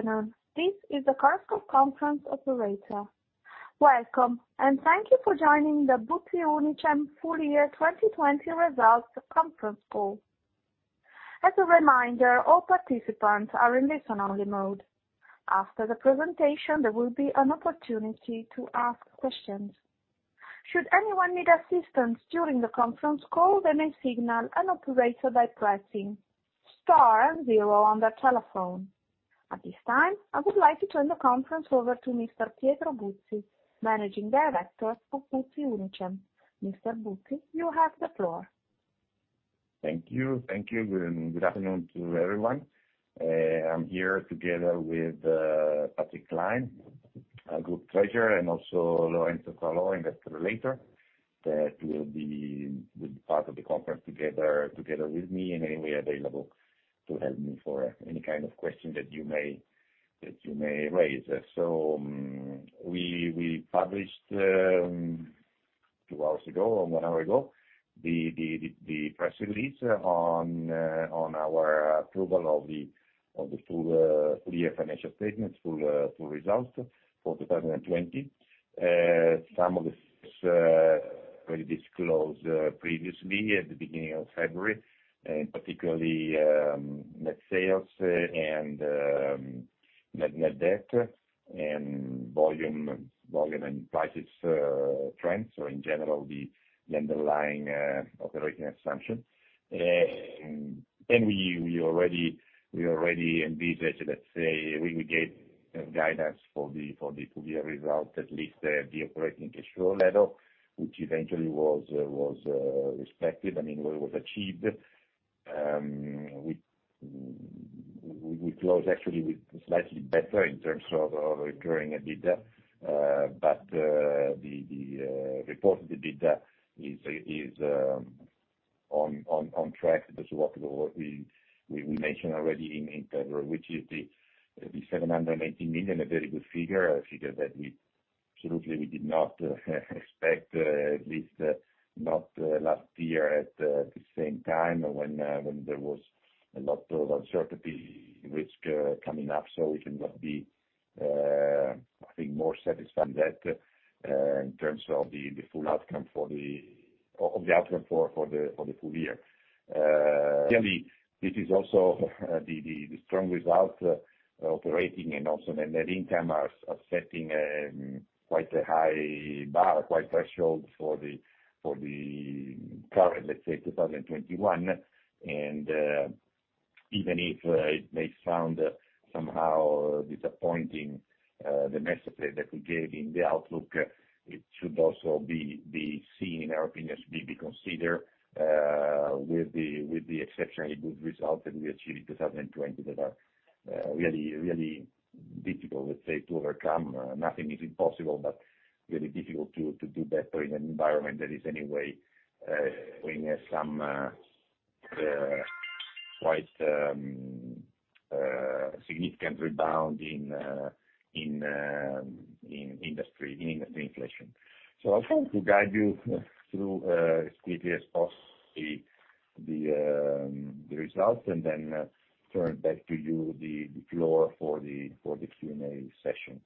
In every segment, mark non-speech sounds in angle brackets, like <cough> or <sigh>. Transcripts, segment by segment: Good afternoon. This is the Chorus Call conference operator. Welcome, and thank you for joining the Buzzi Unicem Full Year 2020 Results Conference Call. As a reminder all participants are in listen-only mode. After the presentation there will be an opportunity to ask questions. At this time, I would like to turn the conference over to Mr. Pietro Buzzi, Managing Director of Buzzi Unicem. Mr. Buzzi, you have the floor. Thank you. Good afternoon to everyone. I'm here together with Patrick Klein, our Group Treasurer, and also Lorenzo Coaloa, Investor Relator, that will be part of the conference together with me and available to help me for any kind of question that you may raise. We published two hours ago, or one hour ago, the press release on our approval of the full year financial statements, full results for 2020. Some of this we disclose previously at the beginning of February, particularly net sales and net debt, and volume and prices trends, so in general, the underlying operating assumption. We already envisaged, let's say, we would get guidance for the full year results, at least at the operating ratio level, which eventually was respected. I mean, it was achieved. We closed actually slightly better in terms of recurring EBITDA. The reported EBITDA is on track. That's what we mentioned already in intro, which is the 718 million, a very good figure. A figure that absolutely we did not expect, at least not last year at the same time when there was a lot of uncertainty and risk coming up. We cannot be, I think, more satisfied than that in terms of the outcome for the full year. Clearly, this is also the strong result operating and also net income are setting quite a high bar, quite threshold for the current, let's say, 2021. Even if it may sound somehow disappointing, the message that we gave in the outlook, it should also be seen, in our opinion, should be considered with the exceptionally good results that we achieved in 2020 that are really difficult, let's say, to overcome. Nothing is impossible, really difficult to do better in an environment that is anyway bringing some quite significant rebound in industry inflation. I try to guide you through as quickly as possible the results, and then turn back to you the floor for the Q&A session.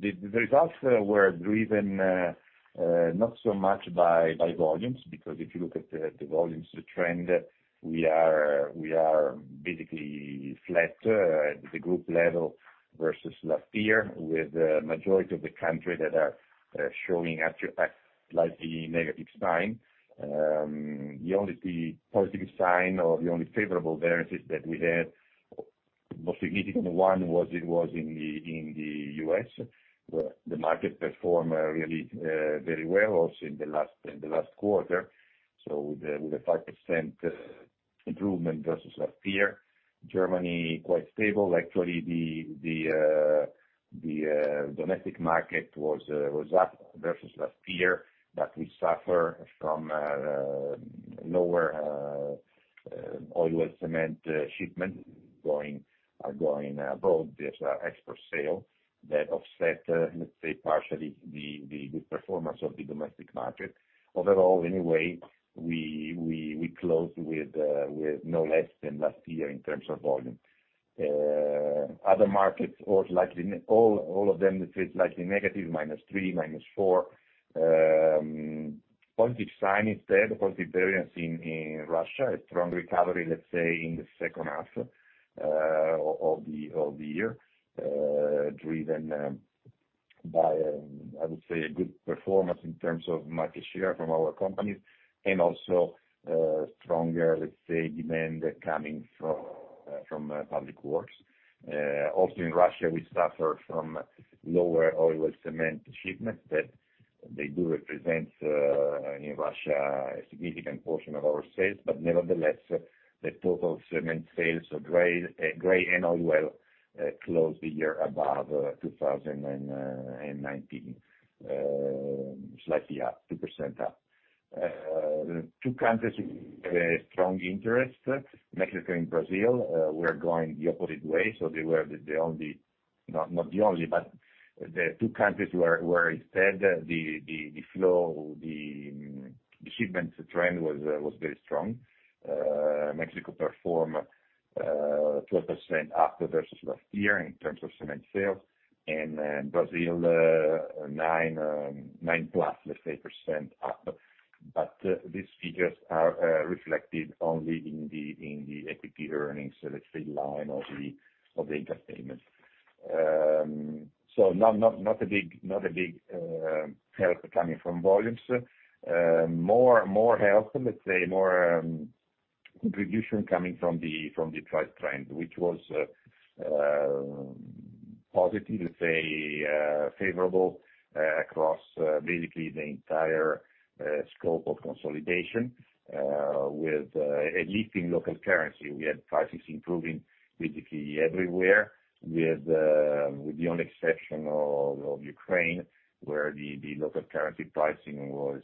The results were driven not so much by volumes, because if you look at the volumes trend, we are basically flat at the group level versus last year with the majority of the countries that are showing slightly negative signs. The only positive sign or the only favorable variances that we had, the most significant one was in the U.S., where the market performed really very well, also in the last quarter. With a 5% improvement versus last year. Germany, quite stable. Actually, the domestic market was up versus last year, but we suffer from lower oil well cement shipments going abroad. There's export sale that offset, let's say, partially the good performance of the domestic market. Overall, anyway, we closed with no less than last year in terms of volume. Other markets, all of them, let's say, slightly negative, minus three, minus four. Positive sign instead, positive variance in Russia. A strong recovery, let's say, in the second half of the year, driven by, I would say, a good performance in terms of market share from our companies and also stronger, let's say, demand coming from public works. Also in Russia, we suffer from lower oil well cement shipments that they do represent, in Russia, a significant portion of our sales, but nevertheless, the total cement sales are gray and oil well closed the year above 2019. Slightly up, 2% up. Two countries we have a strong interest, Mexico and Brazil, were going the opposite way. They were the only, not the only, but the two countries where instead the flow, the shipments trend was very strong. Mexico performed 12% up versus last year in terms of cement sales, and Brazil 9+, let's say, percent up. These figures are reflected only in the equity earnings, let's say, line of the income statement. Not a big help coming from volumes. More help, let's say, more contribution coming from the price trend, which was positive, let's say, favorable, across basically the entire scope of consolidation with at least in local currency, we had prices improving basically everywhere, with the only exception of Ukraine, where the local currency pricing was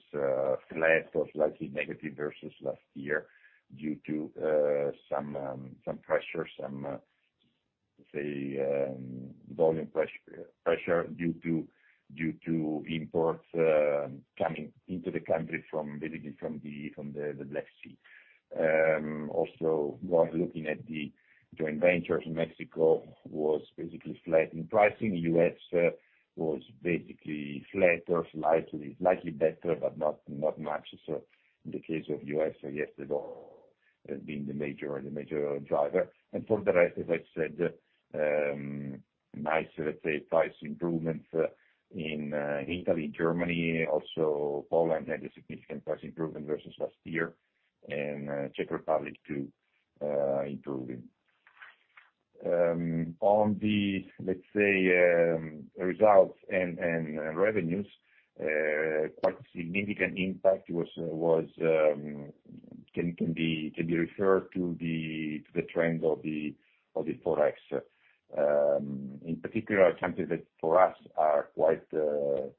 flat or slightly negative versus last year due to some volume pressure due to imports coming into the country from basically from the Black Sea. While looking at the joint ventures, Mexico was basically flat in pricing. U.S. was basically flat or slightly better, but not much in the case of U.S. Yes, the dollar has been the major driver. For the rest, as I said, nice, let's say, price improvements in Italy, Germany, also Poland had a significant price improvement versus last year, and Czech Republic too, improving. On the, let's say, results and revenues, quite a significant impact can be referred to the trend of the Forex. In particular, countries that for us do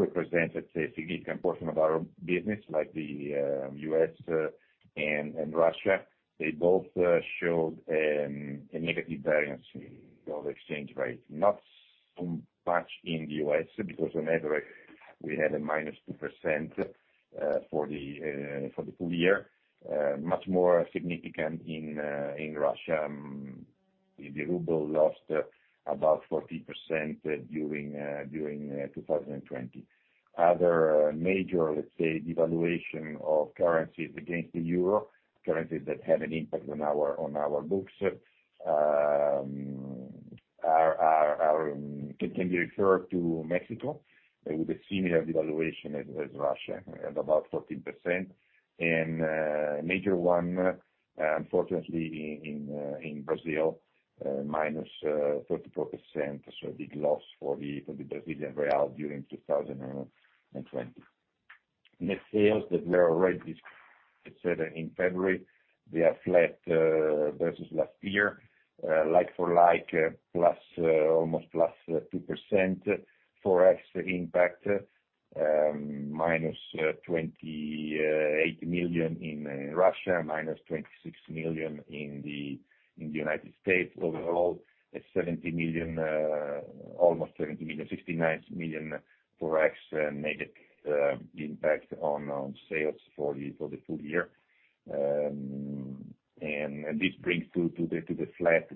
represent, let's say, a significant portion of our business, like the U.S. and Russia, they both showed a negative variance of exchange rate. Not so much in the U.S. because on average, we had a -2% for the full year. Much more significant in Russia. The ruble lost about 14% during 2020. Other major, let's say, devaluation of currencies against the euro, currencies that had an impact on our books can be referred to Mexico with a similar devaluation as Russia at about 14%. A major one, unfortunately in Brazil, -34%, so a big loss for the Brazilian real during 2020. Net sales that were already in February, they are flat versus last year. Like for like, almost +2%. Forex impact, -28 million in Russia, -26 million in the United States. Overall, almost 70 million, 69 million Forex negative impact on sales for the full year. This brings to basically the flat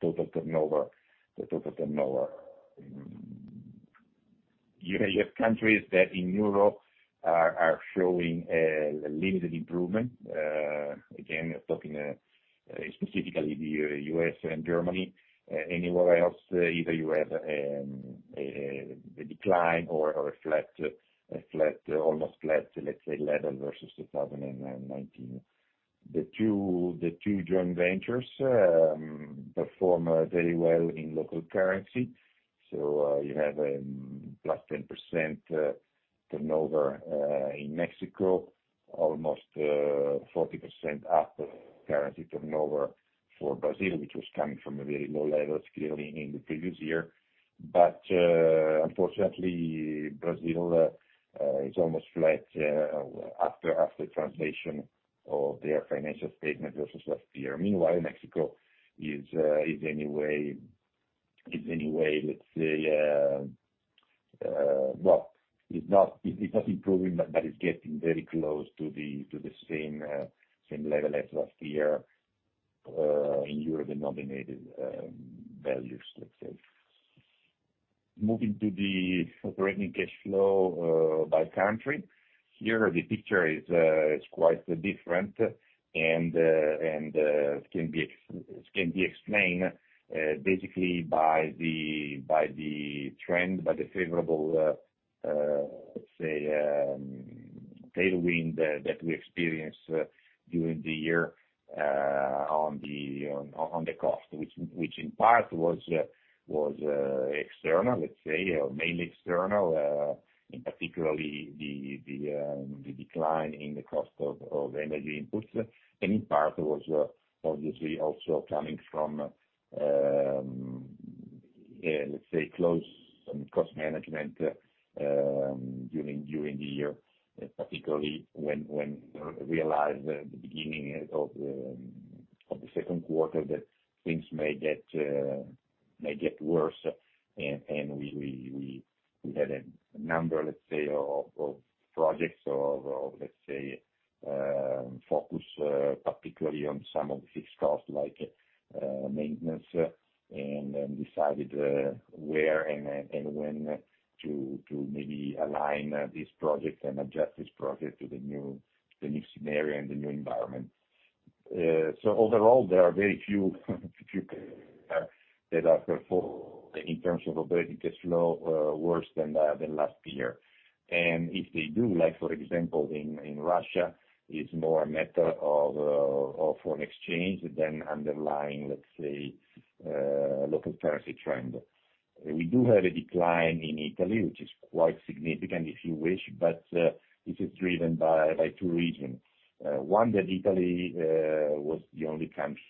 total turnover. You have countries that in Europe are showing a limited improvement. Again, talking specifically the U.S. and Germany. Anywhere else, either you have a decline or almost flat, let's say, level versus 2019. The two joint ventures perform very well in local currency. You have a +10% turnover in Mexico, almost 40% up currency turnover for Brazil, which was coming from a very low level clearly in the previous year. Unfortunately, Brazil is almost flat after translation of their financial statement versus last year. Meanwhile, Mexico is not improving, but is getting very close to the same level as last year in euro-denominated values, let's say. Moving to the operating cash flow by country. Here, the picture is quite different, can be explained basically by the trend, by the favorable, let's say, tailwind that we experienced during the year on the cost, which in part was external, let's say, mainly external, and particularly the decline in the cost of energy inputs. In part was obviously also coming from, let's say, close cost management during the year, particularly when we realized the beginning of the second quarter that things may get worse. We had a number, let's say, of projects, of let's say, focus particularly on some of the fixed costs like maintenance and then decided where and when to maybe align these projects and adjust this project to the new scenario and the new environment. Overall, there are very few that are performed in terms of operating cash flow worse than last year. If they do, like for example, in Russia, it's more a matter of foreign exchange than underlying, let's say, local currency trend. We do have a decline in Italy, which is quite significant if you wish, but this is driven by two reasons. One, that Italy was the only country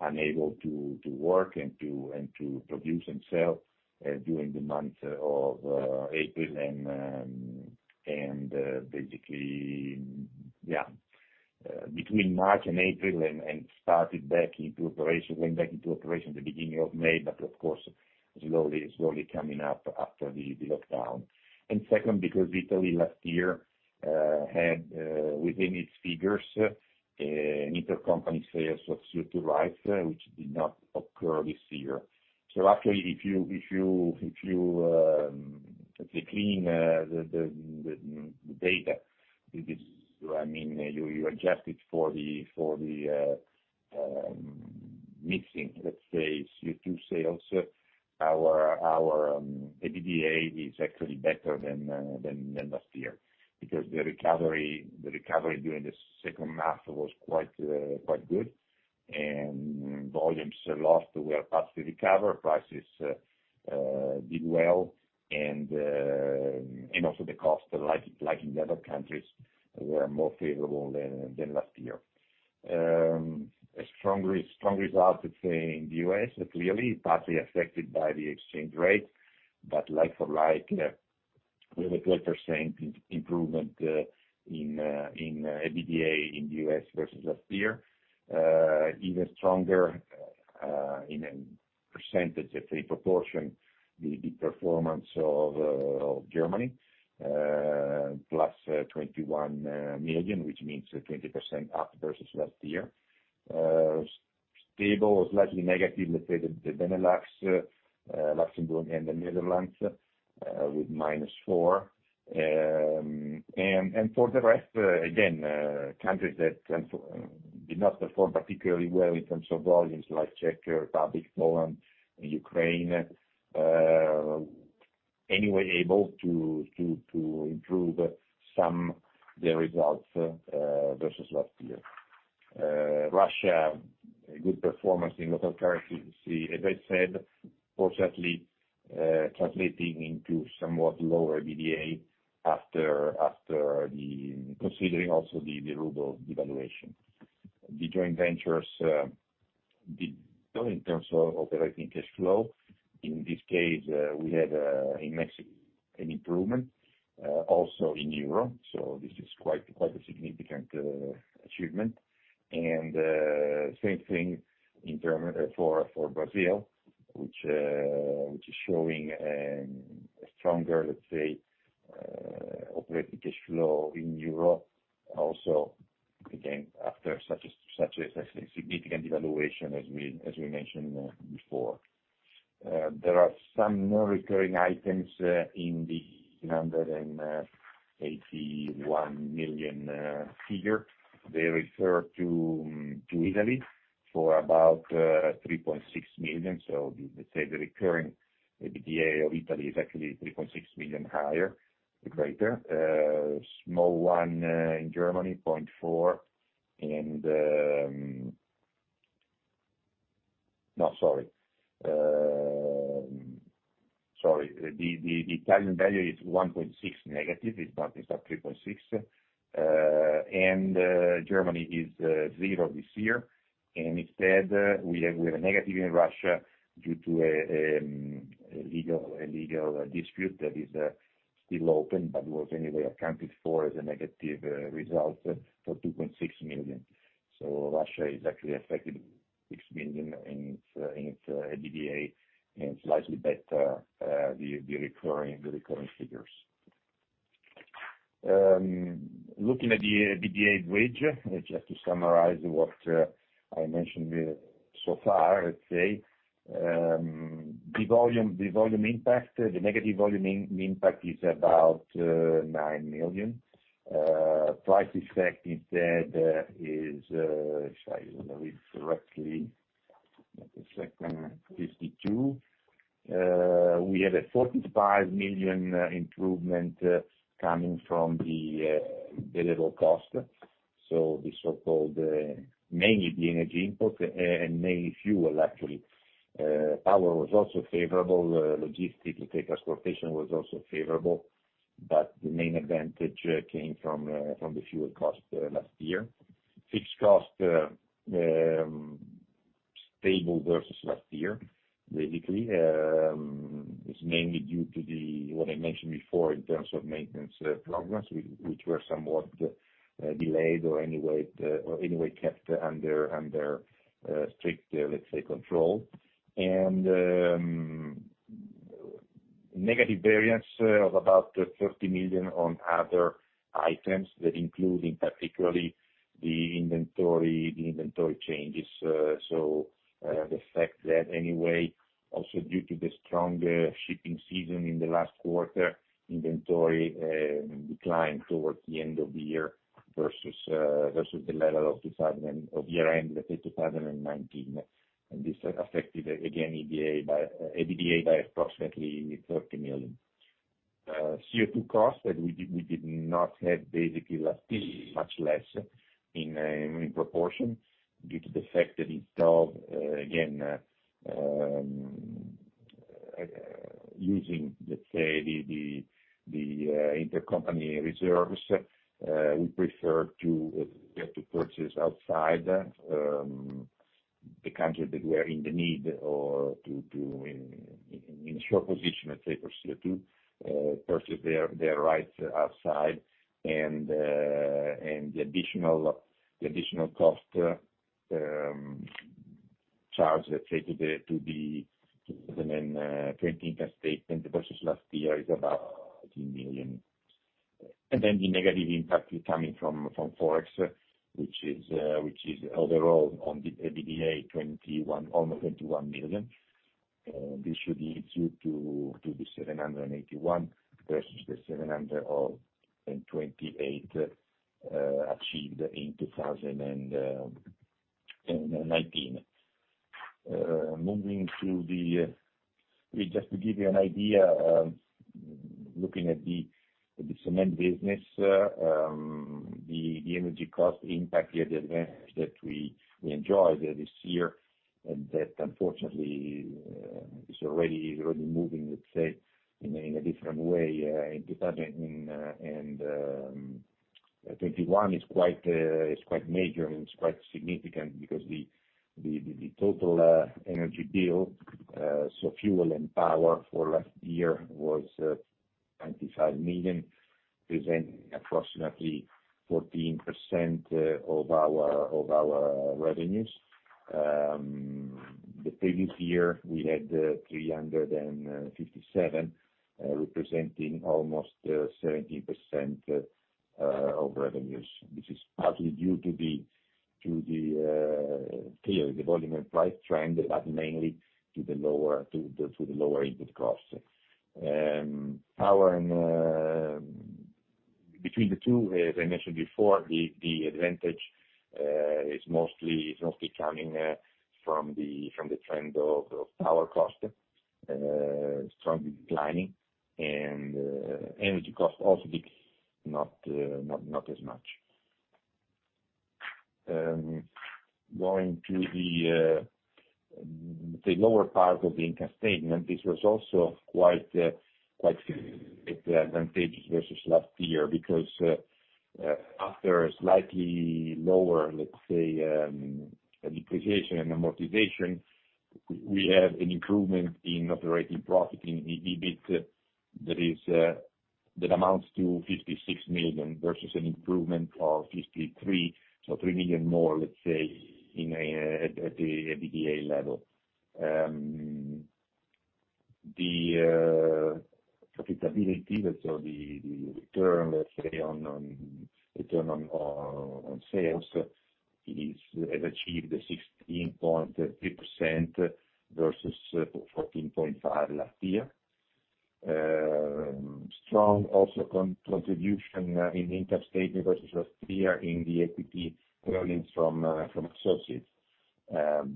unable to work and to produce and sell during the month of April. Between March and April, and went back into operation at the beginning of May, but of course, slowly coming up after the lockdown. Second, because Italy last year had, within its figures, intercompany sales of CO2 sales, which did not occur this year. Actually, if you clean the data, you adjust it for the missing, let's say, CO2 sales. Our EBITDA is actually better than last year because the recovery during the second half was quite good and volumes lost were partially recovered, prices did well, and also the cost, like in the other countries, were more favorable than last year. A strong result, let's say, in the U.S., clearly partially affected by the exchange rate. But like for like, we have a 12% improvement in EBITDA in the U.S. versus last year. Even stronger in percentage if we proportion the performance of Germany, +21 million, which means 20% up versus last year. Stable or slightly negative, let's say, the Benelux, Luxembourg, and the Netherlands, with -4 million. For the rest, again, countries that did not perform particularly well in terms of volumes like Czech Republic, Poland, and Ukraine, anyway able to improve some of their results versus last year. Russia, a good performance in local currency. As I said, fortunately translating into somewhat lower EBITDA after considering also the ruble devaluation. The joint ventures did well in terms of operating cash flow. In this case, we had, in Mexico, an improvement. Also in Europe, this is quite a significant achievement. Same thing for Brazil, which is showing a stronger, let's say, operating cash flow in Europe. Also, again, after such a significant devaluation as we mentioned before. There are some non-recurring items in the 181 million figure. They refer to Italy for about 3.6 million. Let's say the recurring EBITDA of Italy is actually 3.6 million higher, greater. A small one in Germany, 0.4 million. No, sorry. The Italian value is -1.6 million. It's not 3.6 million. Germany is zero this year. Instead, we have a negative in Russia due to a legal dispute that is still open but was anyway accounted for as a negative result for 2.6 million. Russia is actually affected 6 million in its EBITDA and slightly better the recurring figures. Looking at the EBITDA bridge, just to summarize what I mentioned so far, let's say. The volume impact, the negative volume impact is about 9 million. Price effect instead is If I remember it correctly, let me check. 52 million. We had a 45 million improvement coming from the variable cost. The so-called mainly the energy input and mainly fuel, actually. Power was also favorable. Logistic, let's say transportation, was also favorable. The main advantage came from the fuel cost last year. Fixed cost stable versus last year, basically. It's mainly due to what I mentioned before in terms of maintenance progress, which were somewhat delayed or anyway kept under strict control. Negative variance of about 30 million on other items that include particularly the inventory changes. The fact that anyway, also due to the strong shipping season in the last quarter, inventory declined towards the end of the year versus the level of year-end of 2019. This affected again, EBITDA by approximately 30 million. CO2 cost that we did not have basically last year, much less in proportion due to the fact that instead, again, using, let's say, the intercompany reserves, we prefer to purchase outside the country that we are in the need or to, in short position, let's say, for CO2, purchase their rights outside and the additional cost charged, let's say, to the 2020 income statement versus last year is about 15 million. The negative impact coming from Forex, which is overall on the EBITDA almost 21 million. This should lead you to the 781 million versus the 728 million achieved in 2019. Just to give you an idea, looking at the cement business, the energy cost impact here, the advantage that we enjoyed this year and that unfortunately is already moving, let's say, in a different way in 2021 is quite major and is quite significant because the total energy bill, so fuel and power for last year was 295 million, representing approximately 14% of our revenues. The previous year, we had 357 million, representing almost 17% of revenues. This is partly due to the volume and price trend, but mainly due to the lower input costs. Between the two, as I mentioned before, the advantage is mostly coming from the trend of power cost strongly declining, and energy cost also, but not as much. Going to the lower part of the income statement, this was also quite advantageous versus last year because after a slightly lower, let's say, depreciation and amortization, we have an improvement in operating profit in EBIT that amounts to 56 million, versus an improvement of 53 million, so 3 million more, let's say, at the EBITDA level. The profitability, so the return on sales, has achieved 16.3% versus 14.5% last year. Strong also contribution in the income statement versus last year in the equity earnings from associates.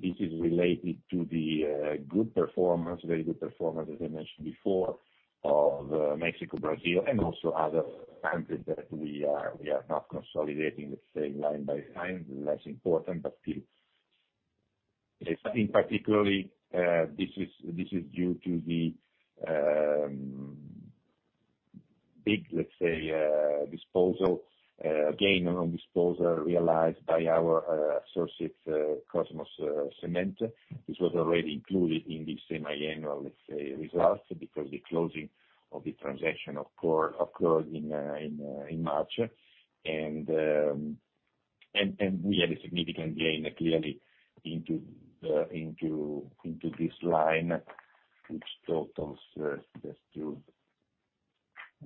This is related to the very good performance, as I mentioned before, of Mexico, Brazil, and also other countries that we are not consolidating, let's say, line by line, less important, but still. In particular, this is due to the big gain on disposal realized by our associate, Kosmos Cement. This was already included in the semi-annual results because the closing of the transaction occurred in March. We had a significant gain clearly into this line, which totals, just to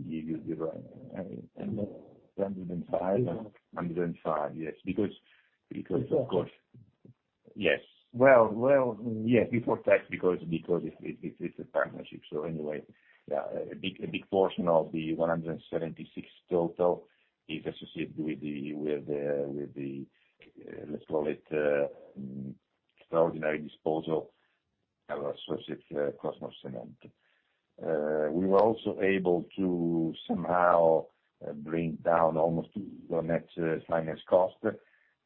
give you the right 105 million. 105 million, yes. Before tax, because it's a partnership. Anyway, a big portion of the 176 million total is associated with the, let's call it, extraordinary disposal of our associate, Kosmos Cement. We were also able to somehow bring down almost to the net finance cost.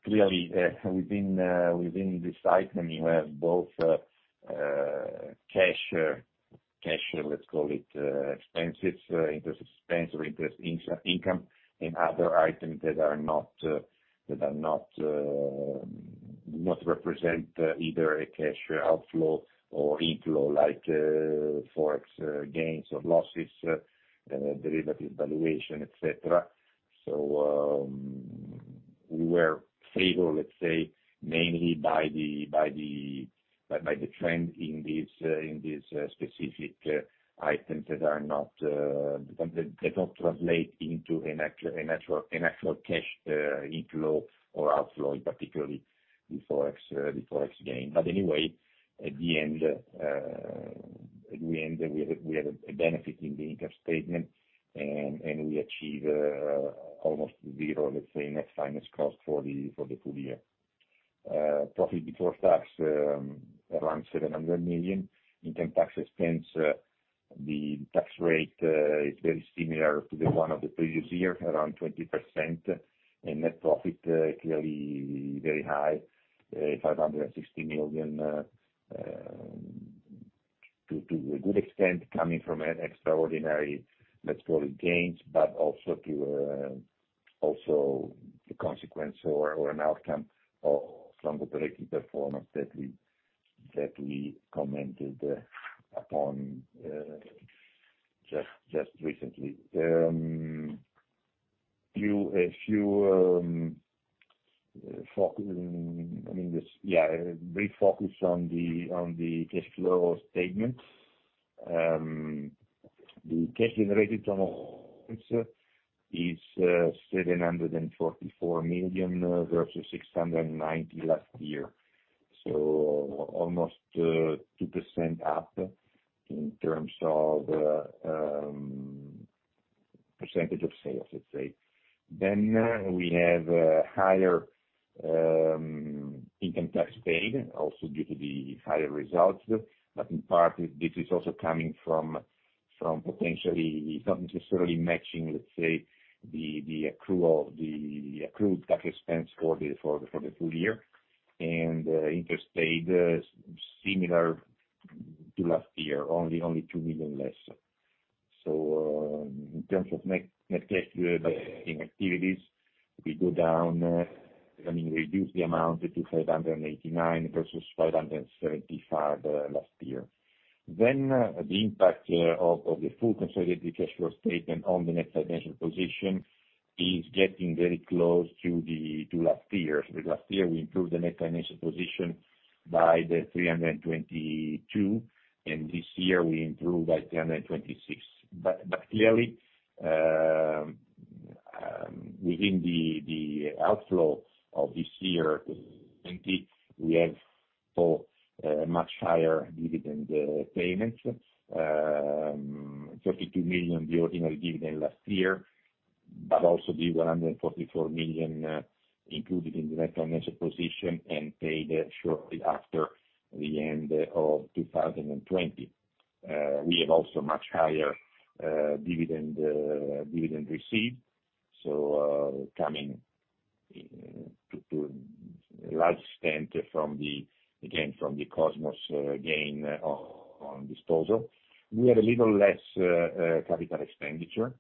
Clearly, within this item, you have both cash, let's call it, expenses, interest expense or interest income, and other items that do not represent either a cash outflow or inflow, like Forex gains or losses, derivative valuation, et cetera. We were favored, let's say, mainly by the trend in these specific items that do not translate into an actual cash inflow or outflow, particularly the Forex gain. Anyway, at the end, we had a benefit in the income statement, and we achieved almost zero, let's say, net finance cost for the full year. Profit before tax, around 700 million. Income tax expense, the tax rate is very similar to the one of the previous year, around 20%. Net profit, clearly very high, EUR 560 million, to a good extent coming from an extraordinary, let's call it, gains, but also a consequence or an outcome from the operating performance that we commented upon just recently. A brief focus on the cash flow statement. The cash generated from operations is 744 million versus 690 million last year. Almost 2% up in terms of percentage of sales, let's say. We have higher income tax paid, also due to the higher results. In part, this is also coming from potentially not necessarily matching, let's say, the accrued tax expense for the full year. Interest paid, similar to last year, only 2 million less. In terms of net cash activities, we go down, reduce the amount to 589 million versus 575 million last year. The impact of the full consolidated cash flow statement on the net financial position is getting very close to last year. Last year, we improved the net financial position by the 322 million, and this year we improved by 326 million. Clearly, within the outflow of this year, we have a much higher dividend payments, 32 million original dividend last year, but also the 144 million included in the net financial position and paid shortly after the end of 2020. We have also much higher dividend received. Coming to a large extent, again, from the Kosmos gain on disposal. We had a little less capital expenditure.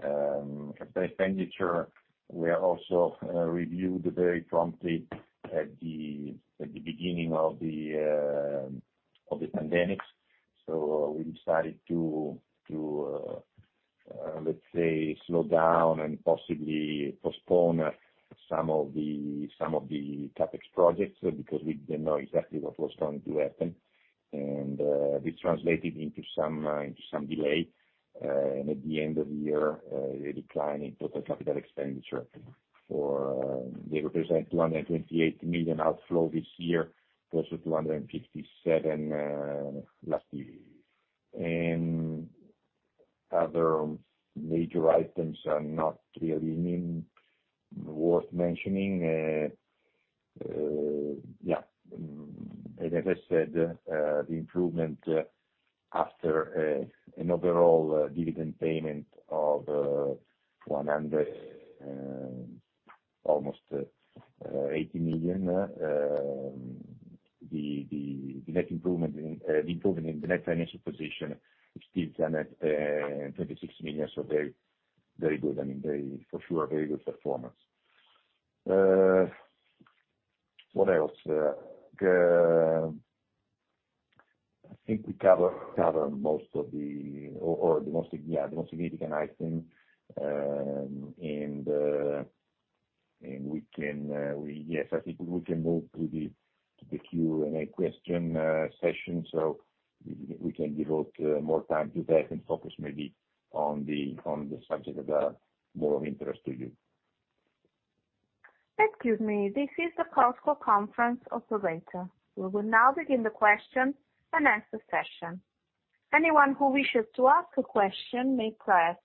Capital expenditure, we also reviewed very promptly at the beginning of the pandemic. We decided to, let's say, slow down and possibly postpone some of the CapEx projects, because we didn't know exactly what was going to happen. This translated into some delay, and at the end of the year, a decline in total capital expenditure. They represent 228 million outflow this year, versus 257 million last year. Other major items are not clearly worth mentioning. As I said, the improvement after an overall dividend payment of almost EUR 180 million, the improvement in the net financial position is still 26 million. Very good. For sure, a very good performance. What else? I think we covered the most significant item. Yes, I think we can move to the Q&A session, so we can devote more time to that and focus maybe on the subject that are more of interest to you. Excuse me. This is the Chorus Call conference operator. We will now begin the question and answer session. Anyone who wishes to ask a question, may press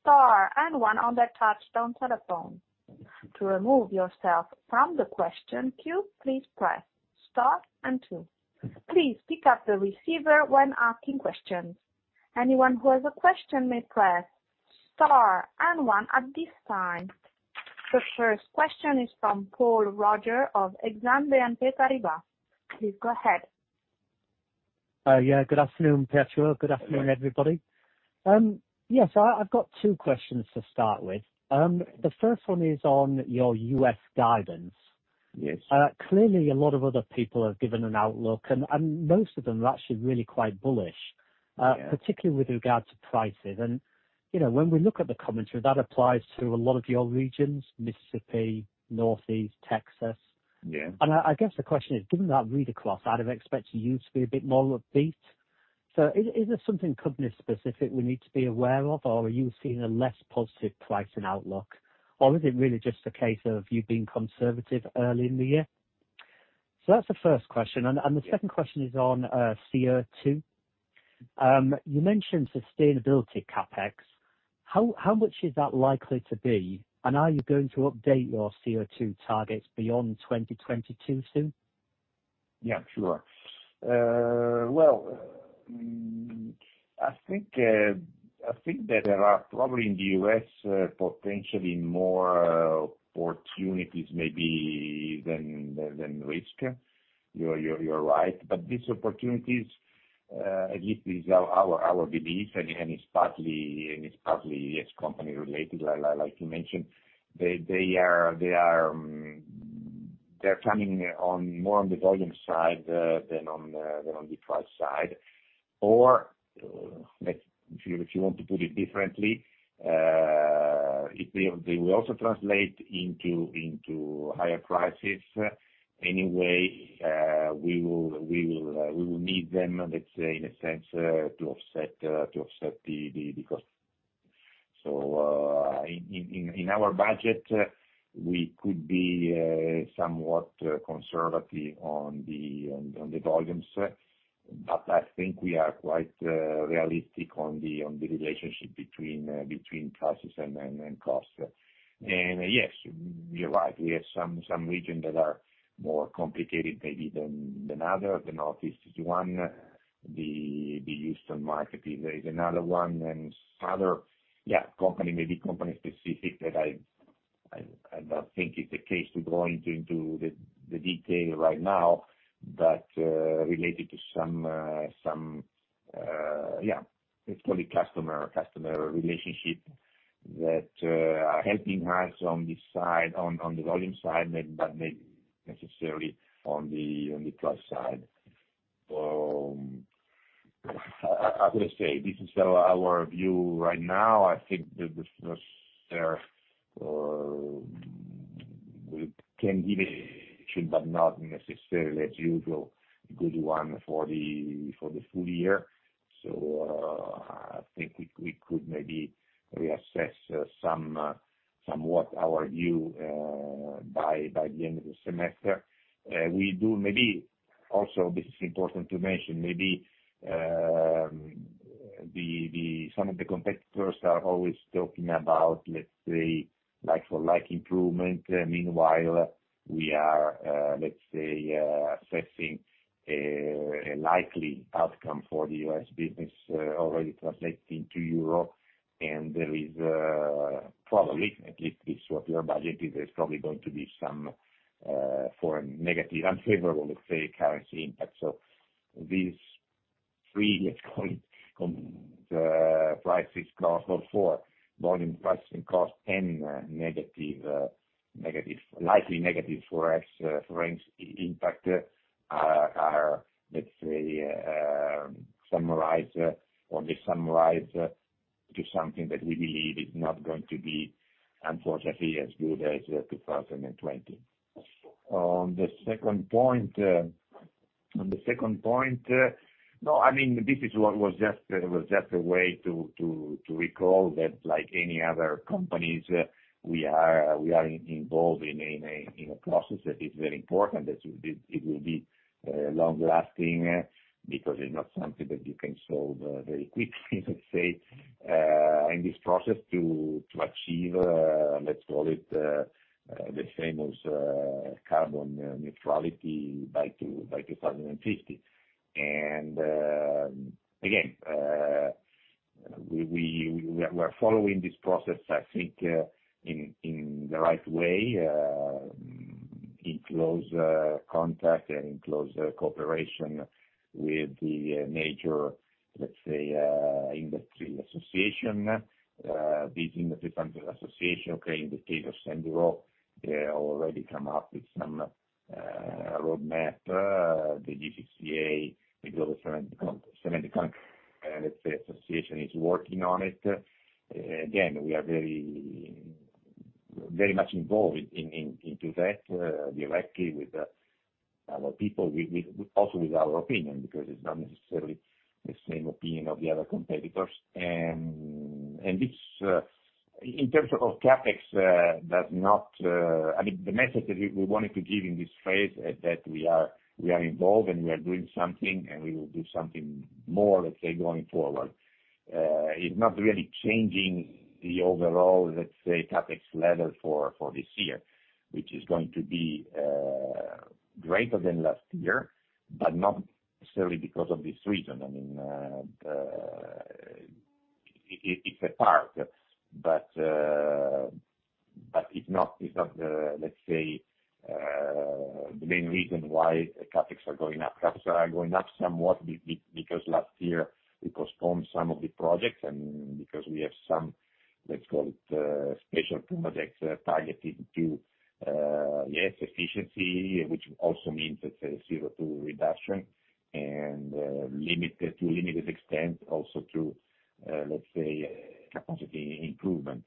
star and one on their touchtone telephone. To remove yourself from the question queue, please press star and two. Please pick up the receiver when asking questions. Anyone who has a question may press star and one at this time. The first question is from Paul Roger of Exane BNP Paribas. Please go ahead. Yeah. Good afternoon, Pietro. Good afternoon, everybody. Yes, I've got two questions to start with. The first one is on your U.S. guidance. Yes. Clearly, a lot of other people have given an outlook, and most of them are actually really quite bullish. Particularly with regard to prices. When we look at the commentary, that applies to a lot of your regions, Mississippi, Northeast Texas. I guess the question is, given that read across, I'd have expected you to be a bit more upbeat. Is there something company specific we need to be aware of, or are you seeing a less positive pricing outlook, or is it really just a case of you being conservative early in the year? That's the first question. The second question is on CO2. You mentioned sustainability CapEx. How much is that likely to be? Are you going to update your CO2 targets beyond 2022 soon? Yeah, sure. Well, I think that there are probably in the U.S., potentially more opportunities maybe than risk. You're right. These opportunities, at least is our belief, and it's partly yes, company related, like you mentioned. They're coming on more on the volume side than on the price side. If you want to put it differently, they will also translate into higher prices anyway. We will need them, let's say, in a sense, to offset the cost. In our budget, we could be somewhat conservative on the volumes, but I think we are quite realistic on the relationship between prices and costs. Yes, you're right. We have some region that are more complicated maybe than other. The Northeast is one, the Houston market is another one, and other maybe company specific that I don't think it's the case to go into the detail right now. Related to some, let's call it customer relationship that are helping us on this side, on the volume side, but not necessarily on the price side. How can I say? This is our view right now. I think that the first, we can give it, but not necessarily as usual, good one for the full year. I think we could maybe reassess somewhat our view by the end of the semester. Also, this is important to mention, maybe some of the competitors are always talking about, let's say, like for like improvement. Meanwhile, we are let's say, assessing a likely outcome for the U.S. business already translating to Europe. There is probably, at least this is what your budget is, there's probably going to be some foreign negative, unfavorable, let's say, currency impact. These three, let's call it, prices, cost for volume pricing, cost and negative, likely negative Forex range impact are, let's say, summarized or they summarize to something that we believe is not going to be, unfortunately, as good as 2020. On the second point, no, this was just a way to recall that like any other companies, we are involved in a process that is very important, that it will be long lasting because it's not something that you can solve very quickly, let's say, in this process to achieve, let's call it, the famous carbon neutrality by 2050. Again, we are following this process, I think, in the right way, in close contact and in close cooperation with the major, let's say, industry association. These industry association, okay, in the case of Cembureau, they already come up with some roadmap. The GCCA, the Global Cement Association is working on it. Again, we are very much involved into that directly with our people, also with our opinion, because it's not necessarily the same opinion of the other competitors. In terms of CapEx, I think the message that we wanted to give in this phase is that we are involved and we are doing something, and we will do something more, let's say, going forward. It's not really changing the overall, let's say, CapEx level for this year, which is going to be greater than last year, but not necessarily because of this reason. I mean, it's a part, but it's not, let's say, the main reason why CapEx are going up. CapEx are going up somewhat because last year we postponed some of the projects and because we have some, let's call it, special projects targeted to, yes, efficiency, which also means, let's say, CO2 reduction and to limited extent also to capacity improvement.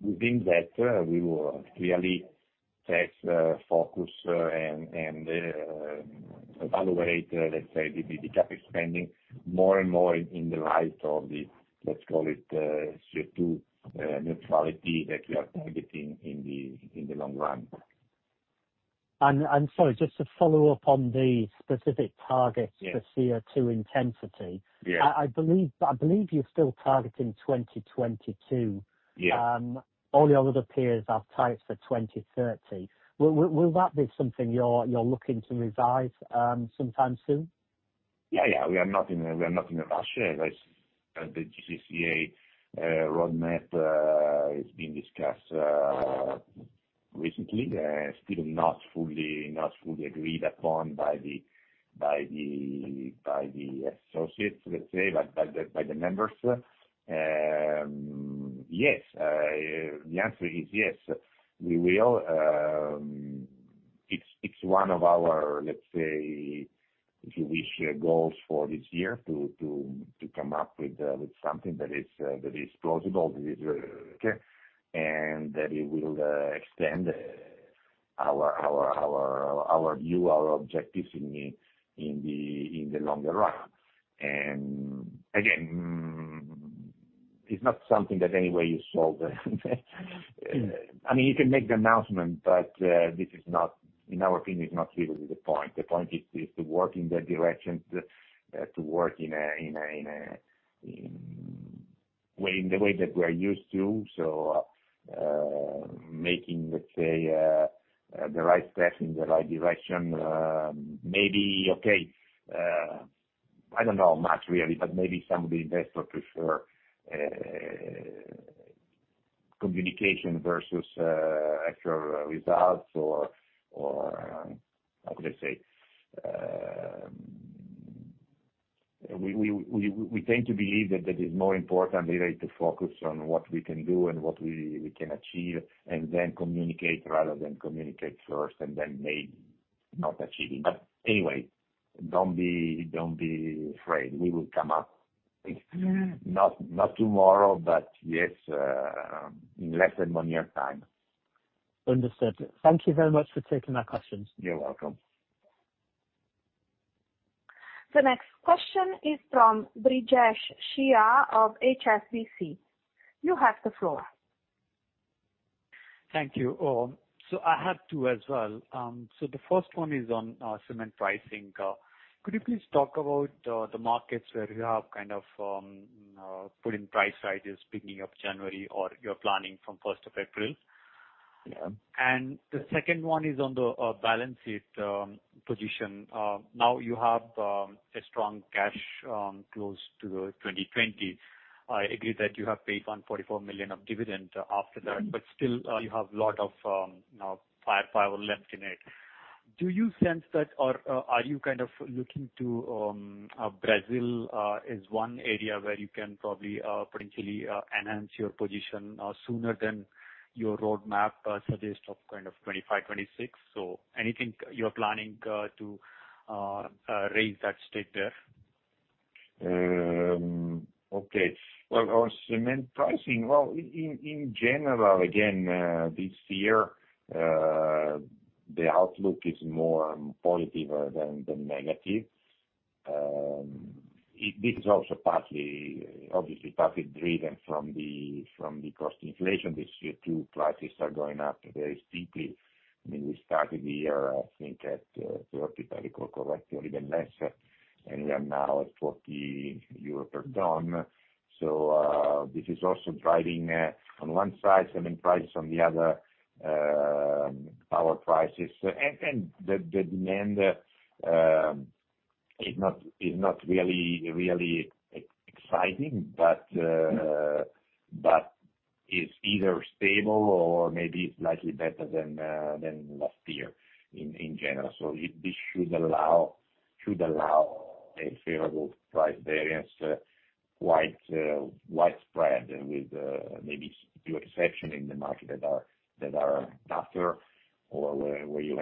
Within that, we will really test, focus, and evaluate the CapEx spending more and more in the light of the, let's call it, CO2 neutrality that we are targeting in the long run. Sorry, just to follow up on the specific targets for CO2 intensity. I believe you're still targeting 2022. All your other peers are tight for 2030. Will that be something you're looking to revise sometime soon? We are not in a rush. The GCCA roadmap is being discussed recently, still not fully agreed upon by the associates, let's say, by the members. Yes. It's one of our key goals for this year to come up with something that is plausible, feasible, and that it will extend our objectives in the longer run. It's not something that anyway you solve. I mean, you can make the announcement, this is not, in our opinion, is not really the point. The point is to work in that direction, to work in the way that we are used to. Making the right step in the right direction. I don't know much, really, maybe some of the investors prefer communication versus actual results or, how could I say? We tend to believe that is more importantly, to focus on what we can do and what we can achieve, and then communicate rather than communicate first and then maybe not achieving. Anyway, don't be afraid. We will come up. Not tomorrow, but yes, in less than one year time. Understood. Thank you very much for taking our questions. You're welcome. The next question is from Brijesh Siya of HSBC. You have the floor. Thank you. I have two as well. The first one is on cement pricing. Could you please talk about the markets where you have kind of put in price rises beginning of January or you're planning from 1st of April? Yeah. The second one is on the balance sheet position. You have a strong cash, close to the 2020. I agree that you have paid 144 million of dividend after that, still you have lot of firepower left in it. Do you sense that or are you kind of looking to Brazil as one area where you can probably potentially enhance your position sooner than your roadmap suggest of kind of 2025, 2026? Anything you're planning to raise that stake there? Okay. On cement pricing. In general, again, this year, the outlook is more positive than negative. This is also obviously partly driven from the cost inflation. These CO2 prices are going up very steeply. We started the year, I think, at EUR 30, if I recall correctly, or even less, and we are now at 40 euro per ton. This is also driving on one side, cement prices, on the other, power prices. The demand is not really exciting, but is either stable or maybe slightly better than last year in general. This should allow a favorable price variance quite widespread with maybe few exception in the market that are tougher or where you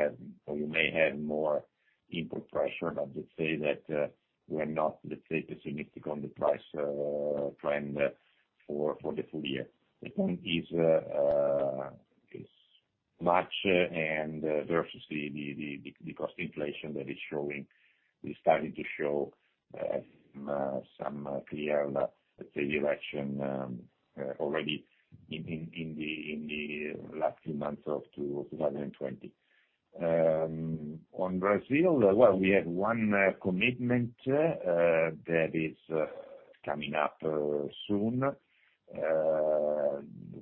may have more input pressure. Let's say that we're not, let's say, too significant on the price trend for the full year. The point is much and versus the cost inflation that is starting to show some clear direction already in the last few months of 2020. On Brazil, well, we have one commitment that is coming up soon.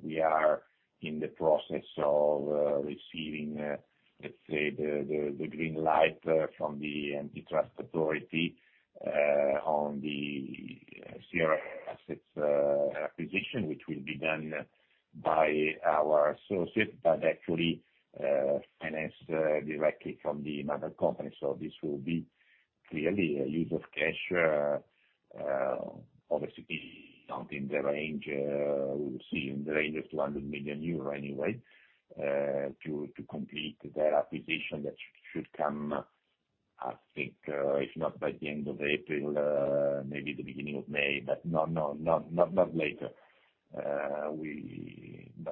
We are in the process of receiving, let's say, the green light from the antitrust authority on the CRH assets acquisition, which will be done by our associate, but actually financed directly from the mother company. This will be clearly a use of cash, obviously something we will see in the range of 200 million euro anyway, to complete that acquisition, that should come, I think, if not by the end of April, maybe the beginning of May. Not later.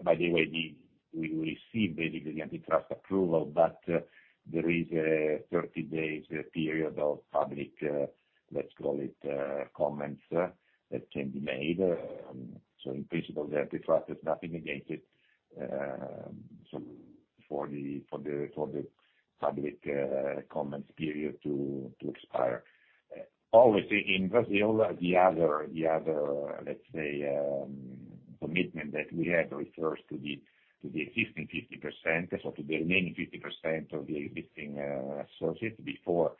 By the way, we will see basically the antitrust approval, there is a 30-day period of public, let's call it, comments that can be made. In principle, the antitrust has nothing against it, for the public comments period to expire. Obviously, in Brazil, the other, let's say, commitment that we had refers to the existing 50%, so to the remaining 50% of the existing associates before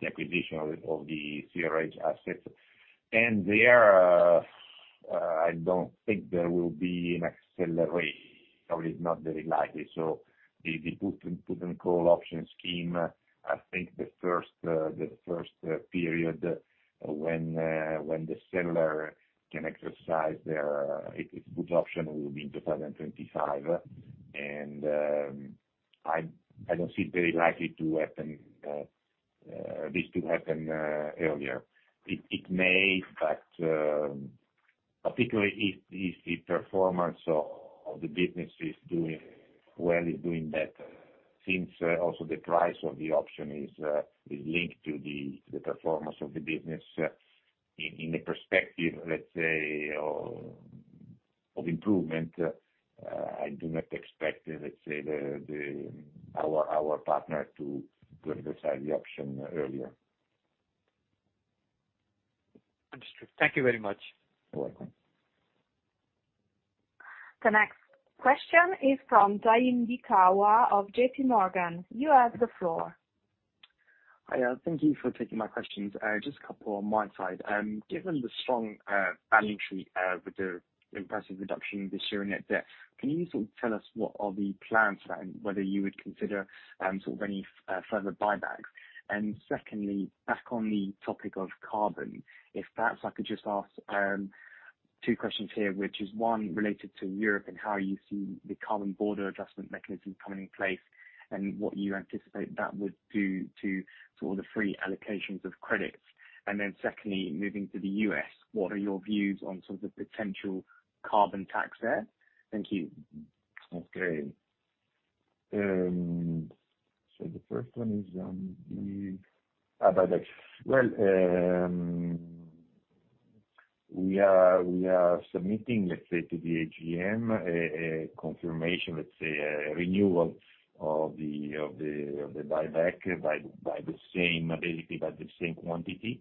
the acquisition of the CRH assets. There, I don't think there will be an acceleration, or it's not very likely. The put and call option scheme, I think the first period when the seller can exercise its put option will be in 2025. I don't see it very likely this to happen earlier. It may, but particularly if the performance of the business is doing well, is doing better. Since also the price of the option is linked to the performance of the business in the perspective, let's say, of improvement. I do not expect, let's say, our partner to exercise the option earlier. Understood. Thank you very much. You're welcome. The next question is from Zaim Beekawa of JPMorgan. You have the floor. Hi. Thank you for taking my questions. Just a couple on my side. Given the strong balance sheet with the impressive reduction this year in net debt, can you sort of tell us what are the plans for that and whether you would consider sort of any further buybacks? Secondly, back on the topic of carbon, if perhaps I could just ask two questions here, which is one related to Europe and how you see the Carbon Border Adjustment Mechanism coming in place, and what you anticipate that would do to all the free allocations of credits. Secondly, moving to the U.S., what are your views on sort of the potential carbon tax there? Thank you. The first one is on the buybacks. Well, we are submitting, let's say, to the AGM a confirmation, let's say, a renewal of the buyback basically by the same quantity.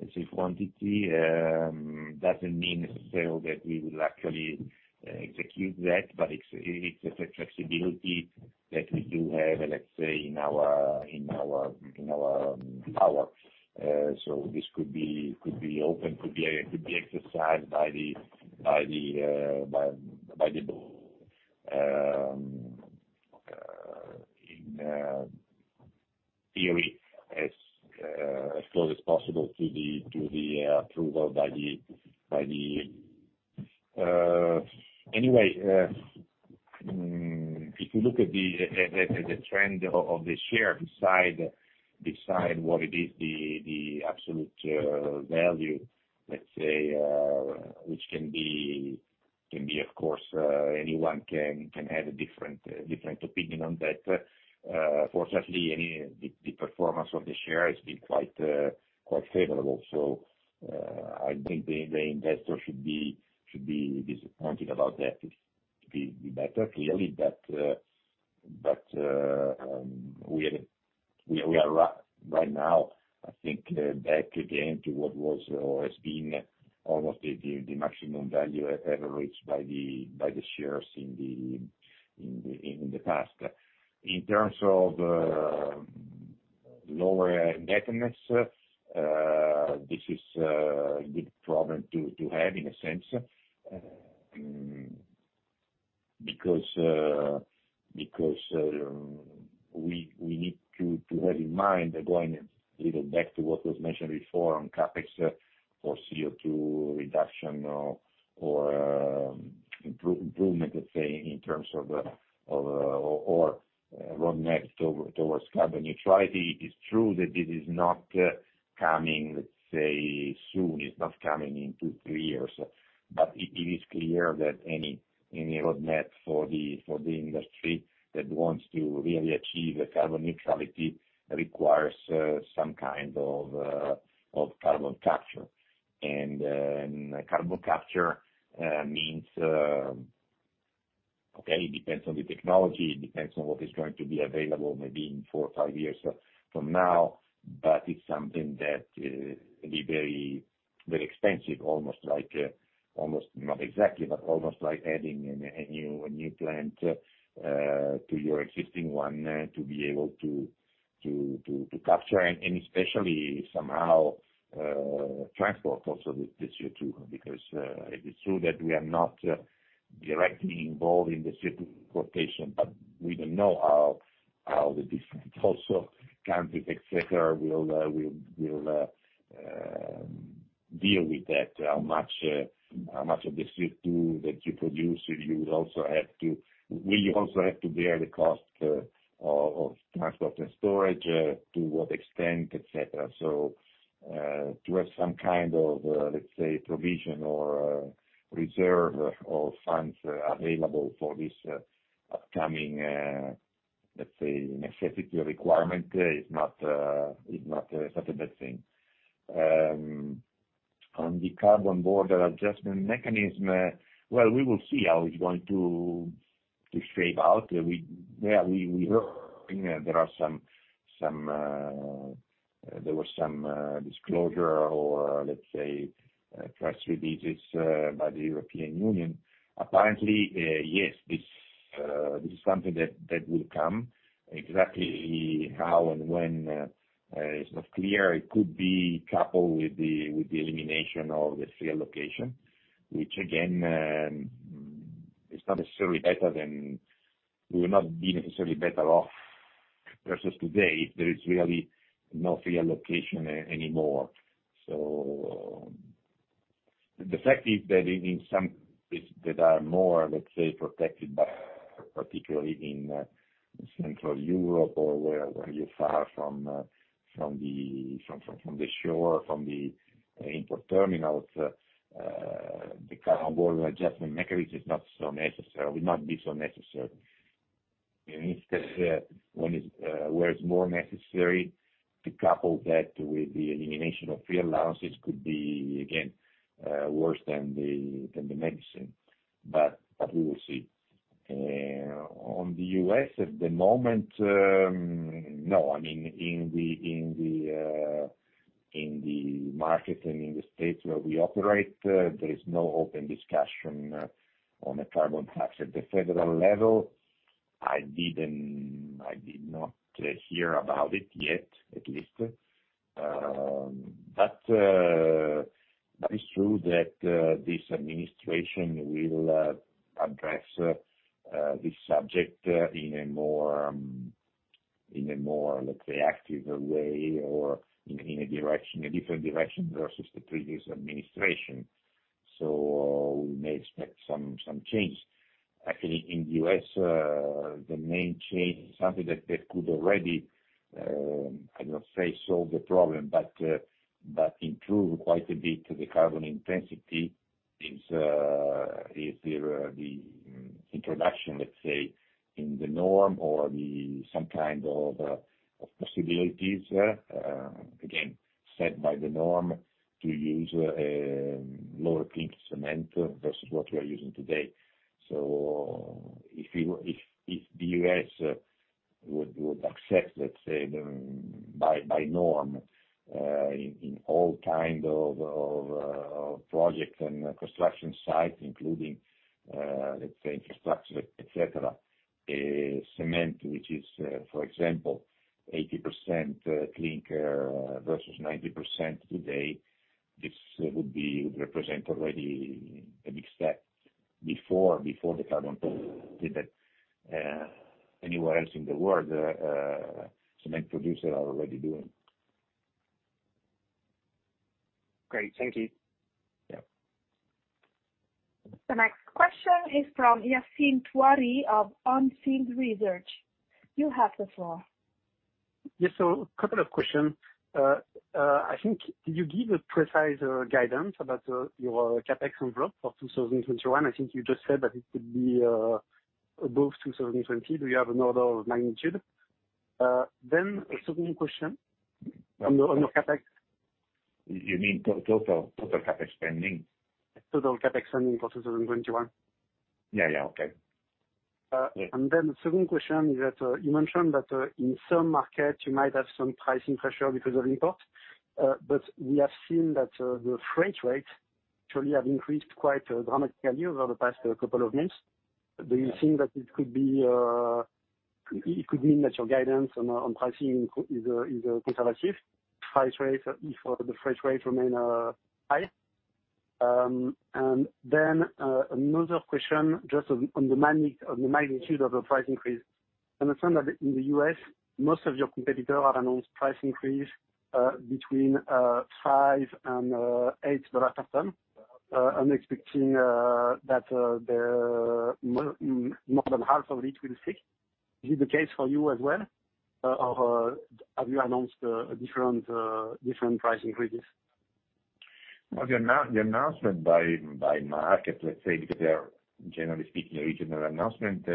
Let's say quantity doesn't mean necessarily that we will actually execute that, but it's a flexibility that we do have, let's say, in our power. This could be open, could be exercised by the board, in theory, as close as possible to the approval. Anyway, if you look at the trend of the share beside what it is the absolute value, let's say, which anyone can have a different opinion on that. Fortunately, the performance of the share has been quite favorable. I think the investor should be disappointed about that. It could be better, clearly, but we are right now, I think, back again to what was or has been almost the maximum value ever reached by the shares in the past. In terms of lower indebtedness, this is a good problem to have in a sense, because we need to have in mind, going a little back to what was mentioned before on CapEx for CO2 reduction or improvement, let's say, in terms of or roadmap towards carbon neutrality. It is true that this is not coming, let's say, soon. It's not coming in two, three years. It is clear that any roadmap for the industry that wants to really achieve carbon neutrality requires some kind of carbon capture. Carbon capture means. Okay, it depends on the technology. It depends on what is going to be available maybe in four or five years from now. It's something that will be very expensive, not exactly, but almost like adding a new plant to your existing one to be able to capture and especially somehow transport also this CO2. It is true that we are not directly involved in the CO2 quotation, but we don't know how the different countries, et cetera, will deal with that, how much of the CO2 that you produce will you also have to bear the cost of transport and storage, to what extent, et cetera. To have some kind of, let's say, provision or reserve of funds available for this upcoming, let's say, necessity requirement is not a bad thing. On the Carbon Border Adjustment Mechanism, well, we will see how it's going to shape out. There was some disclosure or, let's say, press releases by the European Union. Apparently, yes, this is something that will come. Exactly how and when is not clear. It could be coupled with the elimination of the free allocation, which again, we will not be necessarily better off versus today if there is really no free allocation anymore. The fact is that in some places that are more, let's say, protected, particularly in Central Europe or where you're far from the shore, from the import terminals, the Carbon Border Adjustment Mechanism will not be so necessary. Instead, where it's more necessary to couple that with the elimination of free allowances could be, again, worse than the medicine. We will see. On the U.S. at the moment, no. In the market and in the states where we operate, there is no open discussion on a carbon tax. At the federal level, I did not hear about it yet, at least. That is true that this administration will address this subject in a more, let's say, active way or in a different direction versus the previous administration. We may expect some change. Actually, in the U.S., the main change is something that could already, I don't want to say solve the problem, but improve quite a bit the carbon intensity, is the introduction, let's say, in the norm or some kind of possibilities, again, set by the norm to use lower clinker cement versus what we are using today. If the U.S. would accept, let's say, by norm, in all kind of project and construction sites, including, let's say, infrastructure, et cetera, cement, which is, for example, 80% clinker versus 90% today, this would represent already a big step. Before the carbon tax did that, anywhere else in the world, cement producers are already doing. Great. Thank you. Yeah. The next question is from Yassine Touahri of On Field Research. You have the floor. Yes, a couple of questions. I think, did you give a precise guidance about your CapEx envelope for 2021? I think you just said that it could be above 2020. Do you have an order of magnitude? A second question on your CapEx. You mean total CapEx spending? Total CapEx spending for 2021. Yeah. Okay. Then the second question is that you mentioned that in some markets you might have some pricing pressure because of imports. But we have seen that the freight rates actually have increased quite dramatically over the past couple of months. Do you think that it could mean that your guidance on pricing is conservative, if the freight rates remain high? Then another question just on the magnitude of the price increase. I understand that in the U.S., most of your competitors have announced price increase between $5 and $8 a ton. I'm expecting that more than half of it will stick. Is it the case for you as well, or have you announced different price increases? The announcement by market, let's say, because they are, generally speaking, a regional announcement,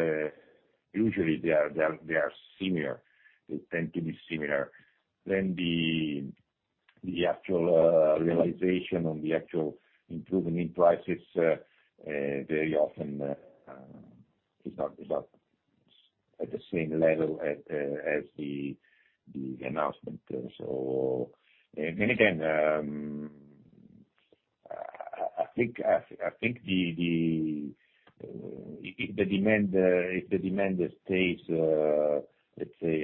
usually they tend to be similar. The actual realization on the actual improvement in prices very often is not at the same level as the announcement. Again, I think if the demand stays, let's say,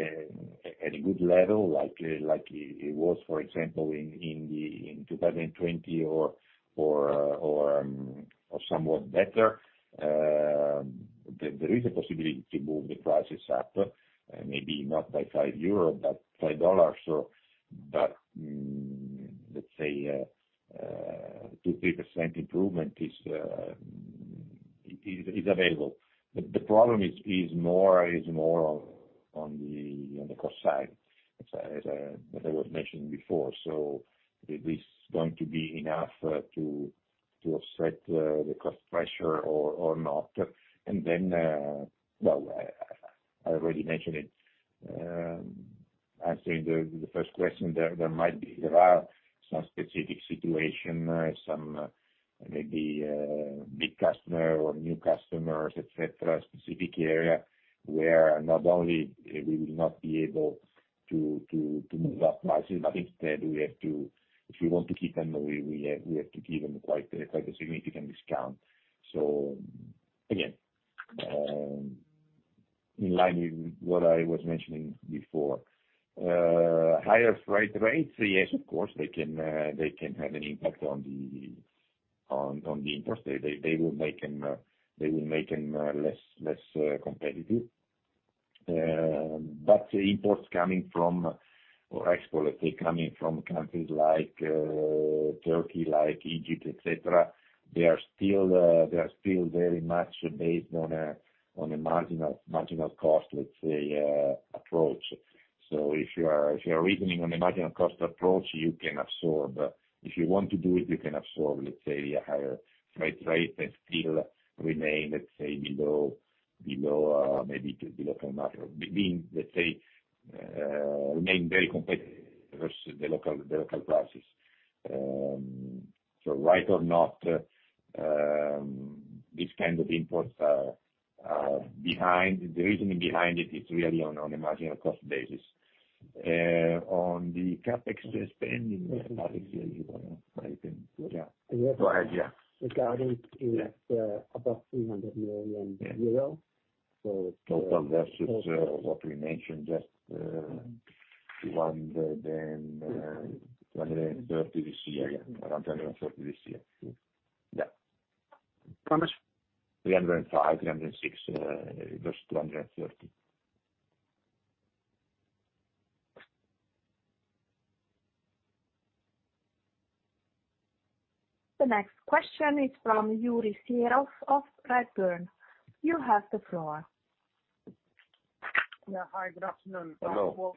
at a good level, like it was, for example, in 2020 or somewhat better, there is a possibility to move the prices up, maybe not by 5 euros, but $5. Let's say, 2%-3% improvement is available. The problem is more on the cost side, as I was mentioning before. Is this going to be enough to offset the cost pressure or not? I already mentioned it, answering the first question, there are some specific situation, some maybe big customer or new customers, et cetera, specific area where not only we will not be able to move up prices, but instead, if we want to keep them, we have to give them quite a significant discount. Again, in line with what I was mentioning before. Higher freight rates, yes, of course, they can have an impact on the imports. They will make them less competitive. Imports or export, let's say, coming from countries like Turkey, like Egypt, et cetera, they are still very much based on a marginal cost, let's say, approach. If you are reasoning on a marginal cost approach, you can absorb. If you want to do it, you can absorb, let's say, a higher freight rate and still remain, let's say, maybe below the market or, let's say, remain very competitive versus the local prices. Right or not, this kind of imports, the reasoning behind it is really on a marginal cost basis. On the CapEx spending, <crosstalk> yeah. Go ahead. Yeah. Regarding is above 300 million euros. Total versus what we mentioned just 230 million this year. Yeah, 230 million this year. Yeah. How much? 305 million, 306 million versus EUR 230 million. The next question is from Yuri Serov of Redburn. You have the floor. Yeah. Hi, good afternoon. Hello.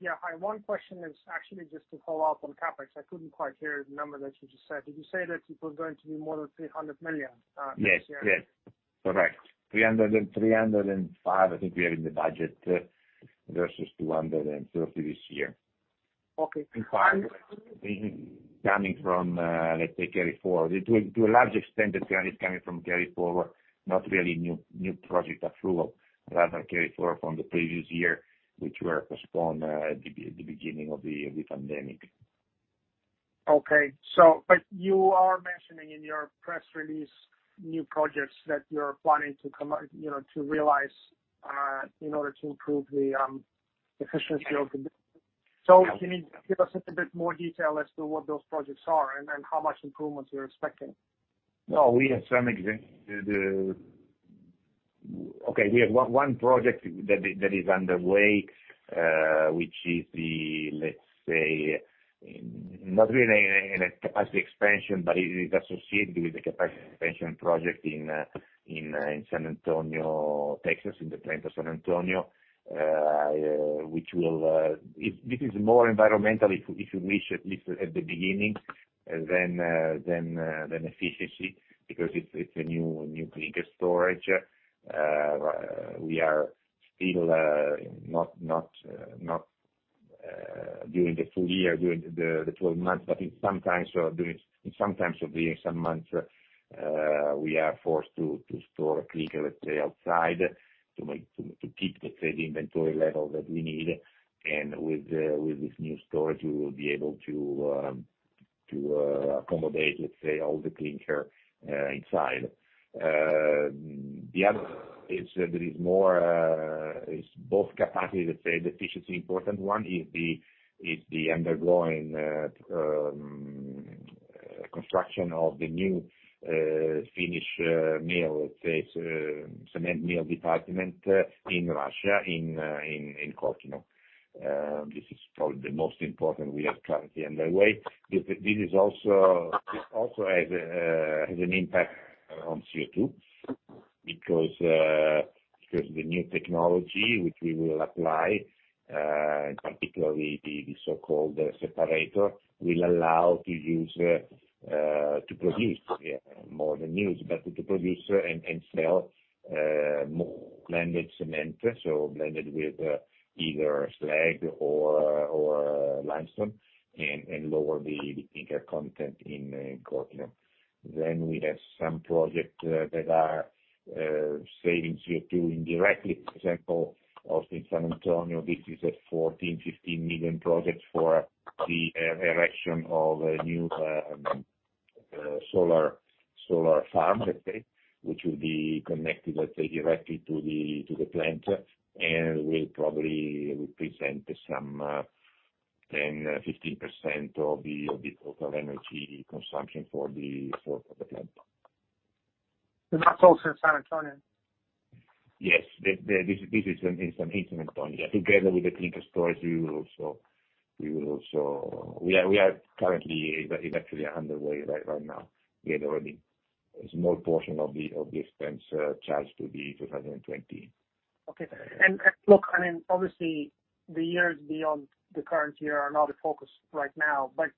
Yeah. Hi. One question is actually just to follow up on CapEx. I couldn't quite hear the number that you just said. Did you say that it was going to be more than 300 million next year? Yes. Correct. 305 million, I think we have in the budget, versus 230 million this year. Okay. In fact, this is coming from, let's say, carry forward. To a large extent, the carry is coming from carry forward, not really new project approval. Carry forward from the previous year, which were postponed at the beginning of the pandemic. Okay. You are mentioning in your press release new projects that you're planning to realize in order to improve the efficiency of the business. Can you give us a little bit more detail as to what those projects are and how much improvements you're expecting? No, we have some example. Okay. We have one project that is underway, which is, let's say, not really a capacity expansion, but it is associated with the capacity expansion project in San Antonio, Texas, in the plant of San Antonio. This is more environmental, if you wish, at least at the beginning, than efficiency, because it's a new clinker storage. We are still not doing the full year, doing the 12 months, but in some times of the year, some months, we are forced to store clinker, let's say, outside to keep the trade inventory level that we need. With this new storage, we will be able to accommodate, let's say, all the clinker inside. The other is both capacity, let's say, the efficiency important one is the undergoing construction of the new finished cement mill department in Russia, in Korkino. This is probably the most important we have currently underway. This also has an impact on CO2. The new technology, which we will apply, particularly the so-called separator, will allow to produce more than use, but to produce and sell more blended cement. Blended with either slag or limestone and lower the clinker content in cement. We have some projects that are saving CO2 indirectly. For example, also in San Antonio, this is a 14 million-15 million project for the erection of a new solar farm, let's say, which will be connected, let's say, directly to the plant and will probably represent some 10%-15% of the total energy consumption for the plant. That's also in San Antonio? Yes. This is in San Antonio. Together with the clinker stores, it's actually underway right now. We had already a small portion of the expense charged to the 2020. Okay. Look, obviously, the years beyond the current year are not a focus right now, but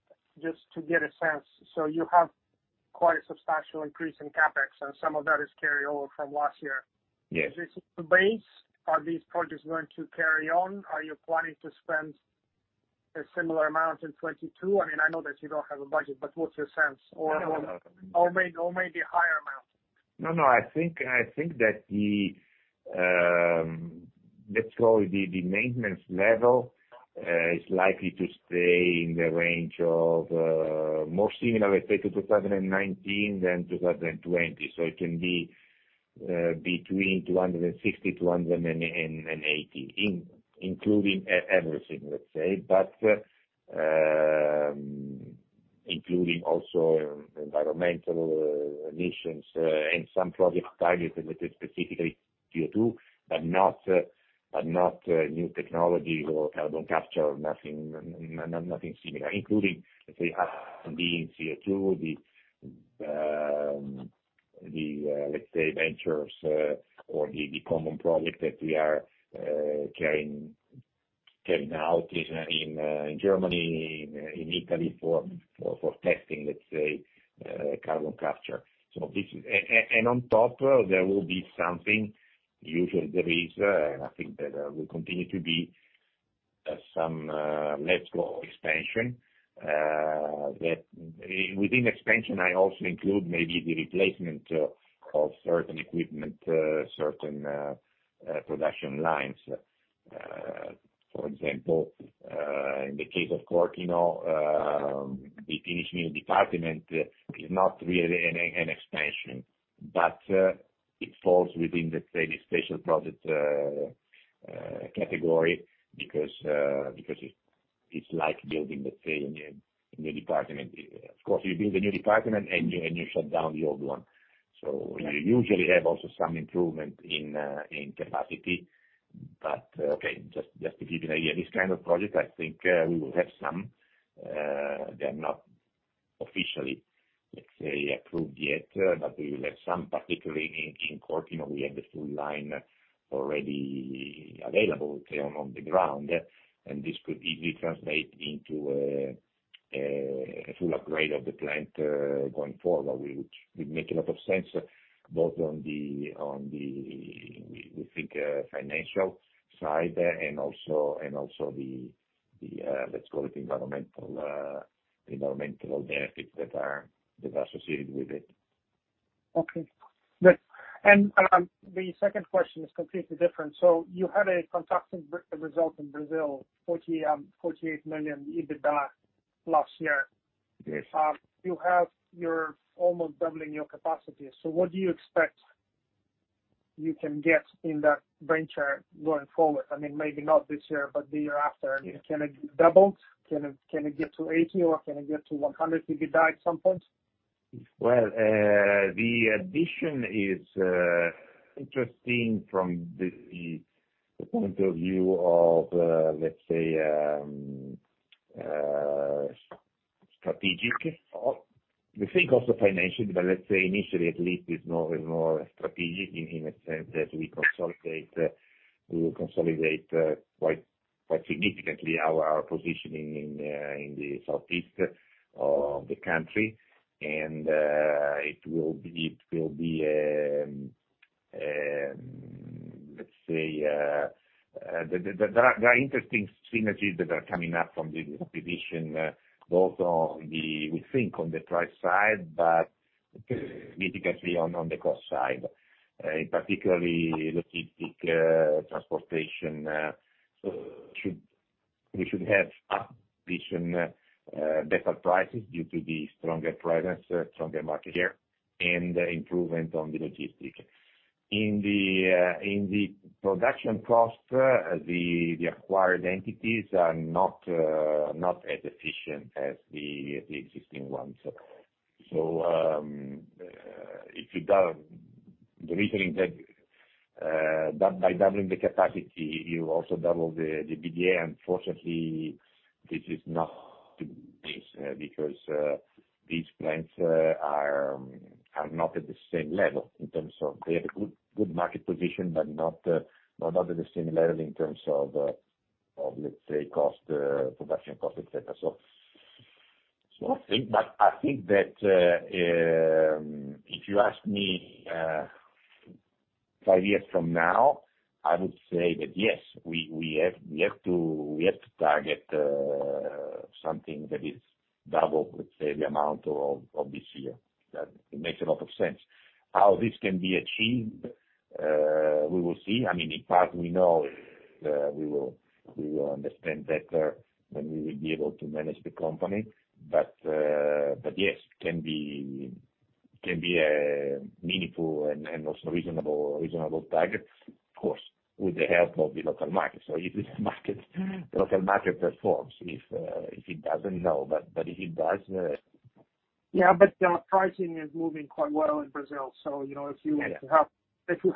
just to get a sense, so you have quite a substantial increase in CapEx and some of that is carryover from last year. Yes. Is this the base? Are these projects going to carry on? Are you planning to spend a similar amount in 2022? I know that you don't have a budget, but what's your sense? Maybe a higher amount. No, I think that the maintenance level is likely to stay in the range of more similar to 2019 than 2020. It can be between 260 million-280 million, including everything. Including also environmental emissions and some project targeted specifically CO2, but not new technology or carbon capture, nothing similar, including CO2 ventures or the common project that we are carrying out in Germany, in Italy for testing carbon capture. On top, there will be something. Usually, there is, and I think that there will continue to be some expansion. Within expansion, I also include maybe the replacement of certain equipment, certain production lines. In the case of Korkino, the finishing department is not really an expansion, but it falls within the, say, the special project category because it's like building, let's say, a new department. Of course, you build a new department and you shut down the old one. You usually have also some improvement in capacity. Okay, just to give you an idea, this kind of project, I think, we will have some. They're not officially, let's say, approved yet, but we will have some, particularly in Korkino, we have the full line already available on the ground, and this could easily translate into a full upgrade of the plant going forward. It would make a lot of sense, both on the, we think, financial side and also the, let's call it, environmental benefits that are associated with it. Okay, good. The second question is completely different. You had a contrasting result in Brazil, 48 million EBITDA last year. You're almost doubling your capacity. What do you expect you can get in that venture going forward? Maybe not this year, but the year after. Can it double? Can it get to 80 million or can it get to 100 million EBITDA at some point? Well, the addition is interesting from the point of view of, let's say, strategic. We think also financial, but let's say initially, at least, it's more strategic in the sense that we will consolidate quite significantly our positioning in the southeast of the country. There are interesting synergies that are coming up from this acquisition, both on the, we think, on the price side, but significantly on the cost side. Particularly logistic transportation. We should have, at least, better prices due to the stronger presence, stronger market share, and improvement on the logistics. In the production cost, the acquired entities are not as efficient as the existing ones. By doubling the capacity, you also double the EBITDA. Unfortunately, this is not the case because these plants are not at the same level. They have a good market position, but not at the same level in terms of, let's say, production cost, et cetera. I think that, if you ask me five years from now, I would say that yes, we have to target something that is double, let's say, the amount of this year. That makes a lot of sense. How this can be achieved, we will see. In part, we know we will understand better when we will be able to manage the company. Yes, can be a meaningful and also reasonable target, of course, with the help of the local market. If the local market performs. If it doesn't, no. If it does. Yeah, pricing is moving quite well in Brazil. If you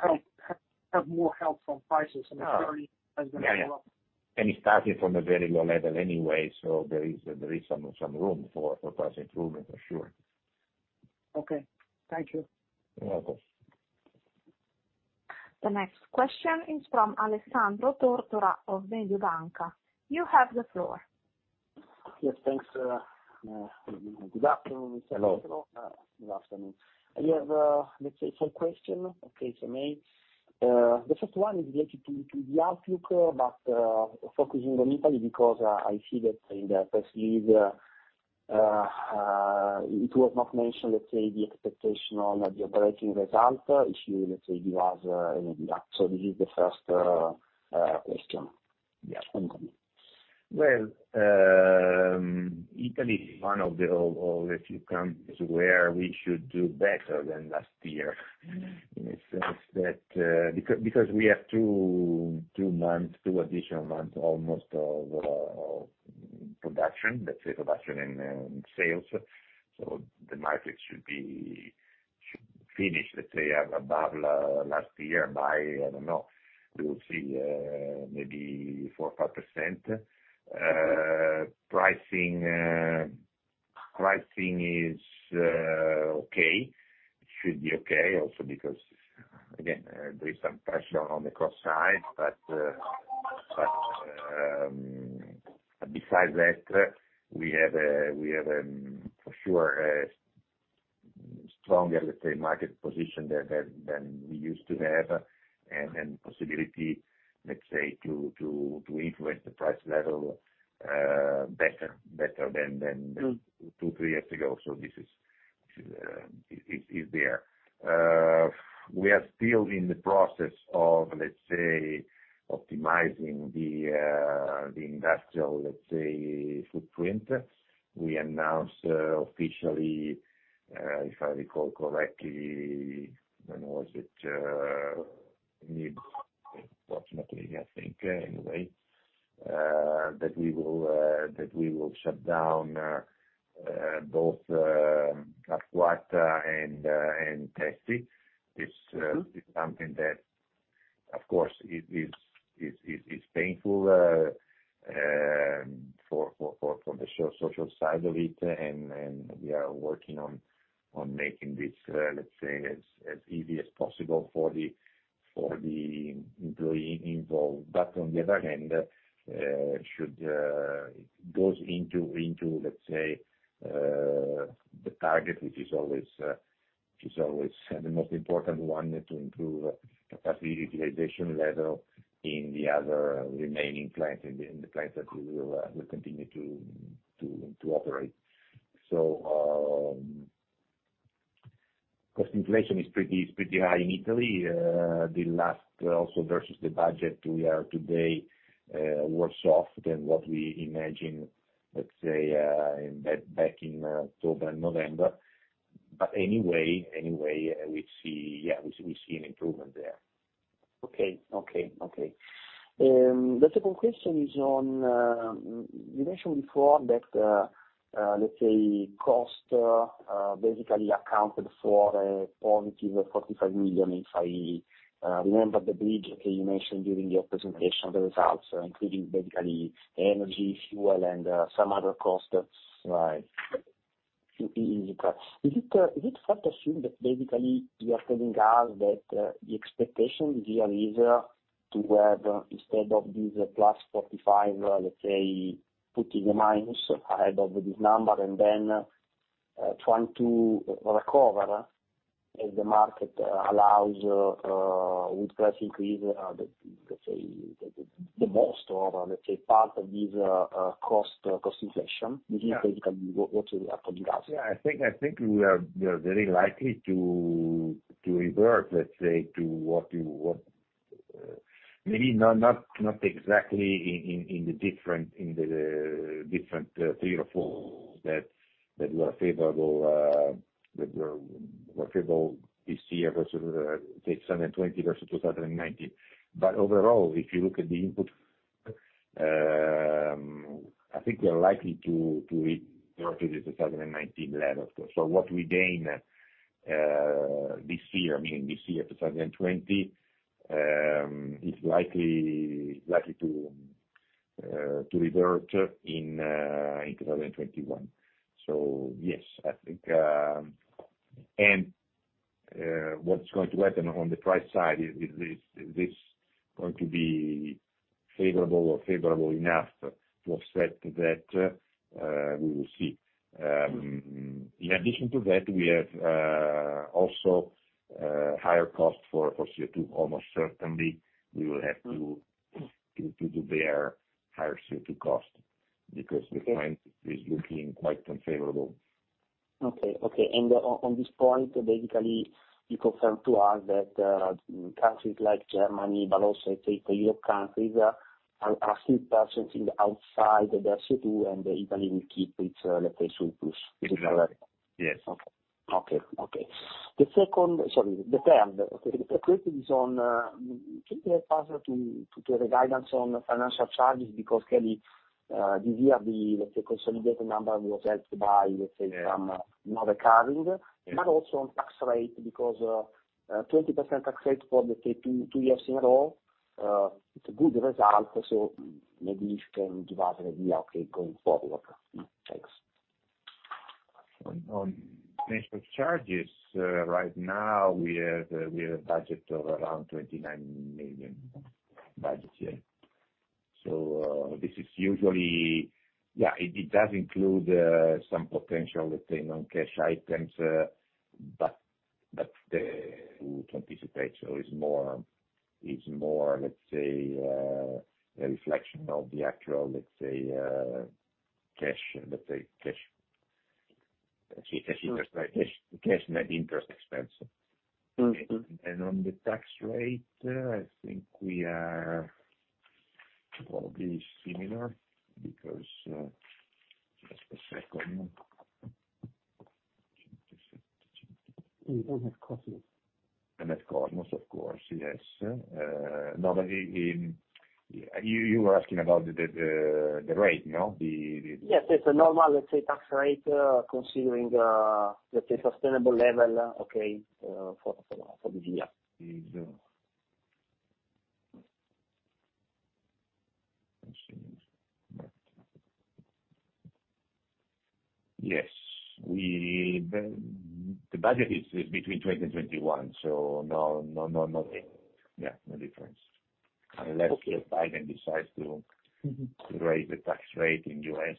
have more help from prices and security as well. Yeah. It started from a very low level anyway, so there is some room for price improvement, for sure. Okay. Thank you. You're welcome. The next question is from Alessandro Tortora of Mediobanca. You have the floor. Yes, thanks. Good afternoon. Hello. Good afternoon. I have, let's say, five questions. Okay. The first one is related to the outlook, focusing on Italy, because I see that in the first read, it was not mentioned, let's say, the expectation on the operating result. If you, let's say, give us an update? This is the first question. Yeah. Well, Italy is one of the few countries where we should do better than last year. In a sense because we have two additional months almost of production, let's say production in sales. The matrix should finish, let's say, above last year by, I don't know, we will see, maybe 4%, 5%. Pricing is okay. It should be okay also because, again, there is some pressure on the cost side. Besides that, we have, for sure, a stronger market position than we used to have, and possibility, let's say, to influence the price level better than two, three years ago. This is there. We are still in the process of, let's say, optimizing the industrial footprint. We announced officially, if I recall correctly, when was it? Mid-March, approximately, I think, anyway. That we will shut down both Arquata and Testi. It's something that, of course, is painful from the social side of it. We are working on making this, let's say, as easy as possible for the employee involved. On the other hand, it goes into the target, which is always the most important one, to improve capacity utilization level in the other remaining plants, in the plants that we will continue to operate. Cost inflation is pretty high in Italy. Also versus the budget, we are today worse off than what we imagined, let's say, back in October, November. Anyway, we see an improvement there. Okay. The second question is on, you mentioned before that, let's say, cost basically accounted for a positive 45 million, if I remember the bridge that you mentioned during your presentation of the results, including basically energy, fuel, and some other cost that's easy cost. Is it fair to assume that basically you are telling us that the expectation this year is to have, instead of this +45 million, let's say, putting a minus ahead of this number and then trying to recover as the market allows wood price increase, let's say the most of, let's say, part of this cost inflation? This is basically what you are telling us? I think we are very likely to revert, let's say. Maybe not exactly in the different three or four that were favorable this year versus, let's say, 2020 versus 2019. Overall, if you look at the input-I think we are likely to reach the 2019 level. What we gain this year, 2020, is likely to revert in 2021. Yes, I think. What's going to happen on the price side, is this going to be favorable or favorable enough to offset that? We will see. In addition to that, we have also higher cost for CO2, almost certainly. We will have to bear higher CO2 cost, because the trend is looking quite unfavorable. Okay. On this point, basically, you confirm to us that countries like Germany, but also take the Europe countries, are still purchasing outside their CO2 and Italy will keep its surplus. Is it correct? Yes. Okay. The third question is on, can you help us to get a guidance on financial charges? Clearly this year, the consolidated number was helped by, let's say some no recurring. Also on tax rate, 20% tax rate for two years in a row, it's a good result. Maybe if you can give us an idea, okay, going forward. Thanks. On financial charges, right now, we have a budget of around 29 million budget here. This is usually, it does include some potential non-cash items, but that we can anticipate. It's more, let's say, a reflection of the actual cash net interest expense. On the tax rate, I think we are probably similar because just a second. That's correct, of course, yes. Normally, you were asking about the rate, no? Yes, it's a normal, let's say, tax rate, considering let's say, sustainable level, okay, for this year. Yes. The budget is between 2020 and 2021. No difference. Unless Joe Biden decides to raise the tax rate in U.S.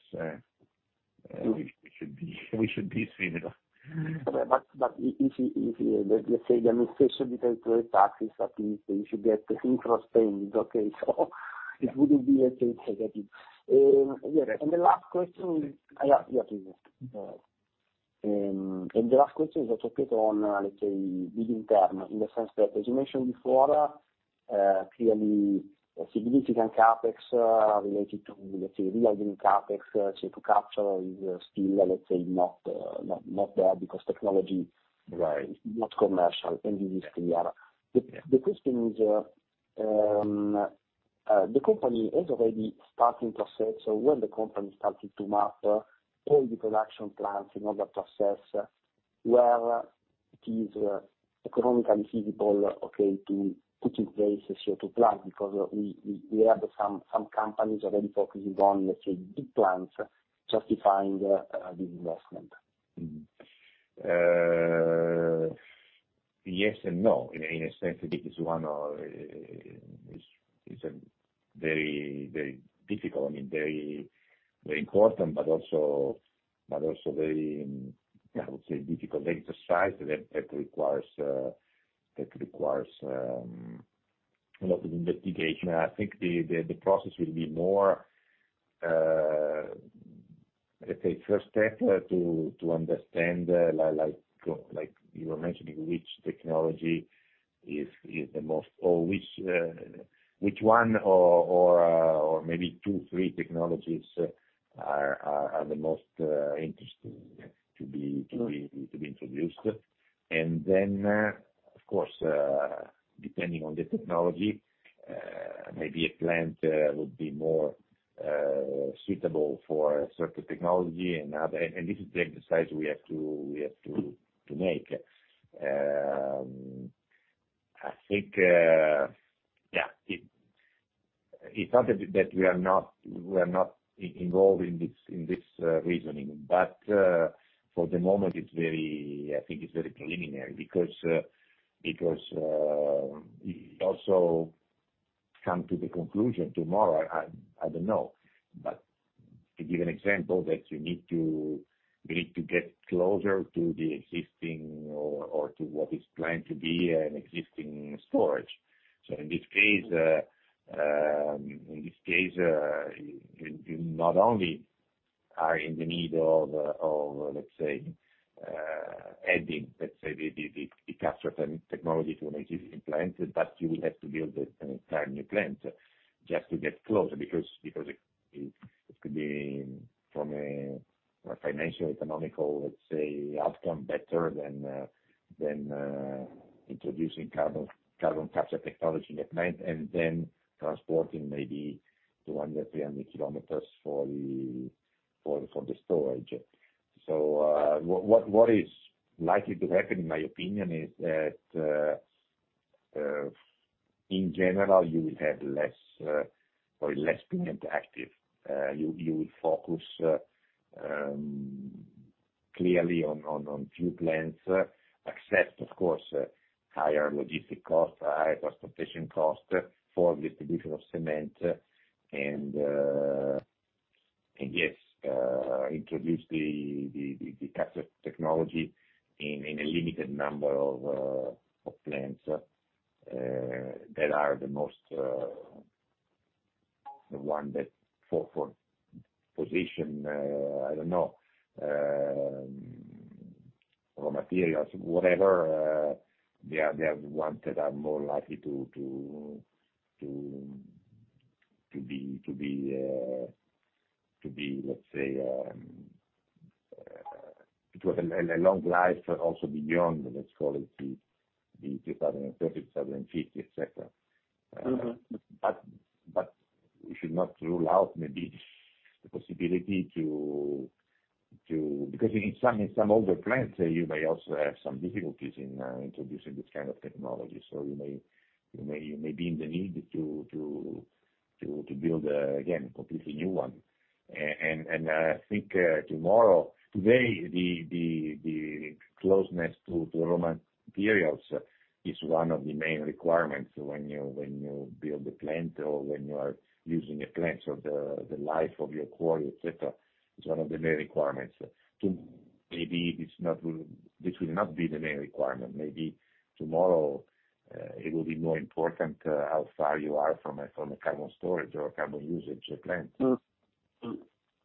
It should be similar. If the administration returns to a tax that means that you should get infra spending, okay so it wouldn't be negative. The last question. Yeah, please. The last question is a topic on, let's say, medium term, in the sense that as you mentioned before, clearly a significant CapEx related to the rearming CapEx, CO2 capture is still, let's say, not there because technology is not commercial, and this is clear. The question is, the company is already starting process or when the company started to map all the production plants in order to assess where it is economically feasible, okay, to put in place a CO2 plant? We have some companies already focusing on, let's say, big plants justifying the investment. Yes and no. In a sense, it's very difficult. I mean, very important, but also very, I would say, difficult exercise that requires a lot of investigation. I think the process will be more, let's say, first step to understand, like you were mentioning, which technology is the most, or which one or maybe two, three technologies are the most interesting to be introduced. Then, of course, depending on the technology, maybe a plant would be more suitable for a certain technology. This is the exercise we have to make. I think, yeah, it's not that we are not involved in this reasoning, but for the moment, I think it's very preliminary because it also come to the conclusion tomorrow, I don't know. To give an example that you need to get closer to the existing or to what is planned to be an existing storage. In this case, you not only are in the need of adding the capture technology to an existing plant, but you will have to build an entire new plant just to get closer because it could be from a financial, economical outcome, better than introducing carbon capture technology on-site, and then transporting maybe 200 km, 300 km for the storage. What is likely to happen, in my opinion, is that in general, you will have less cement active. You will focus clearly on few plants, except, of course, higher logistic cost, higher transportation cost for distribution of cement and, yes, introduce the capture technology in a limited number of plants that are The one that for position, I don't know, raw materials, whatever, they are the ones that are more likely to be, let's say, to a long life also beyond, let's call it, the 2030, 2050, et cetera. We should not rule out maybe the possibility. Because in some older plants, you may also have some difficulties in introducing this kind of technology. You may be in the need to build a completely new one. I think tomorrow, today, the closeness to the raw materials is one of the main requirements when you build a plant or when you are using a plant. The life of your quarry, et cetera, is one of the main requirements. Maybe this will not be the main requirement. Maybe tomorrow, it will be more important how far you are from a carbon storage or carbon usage plant.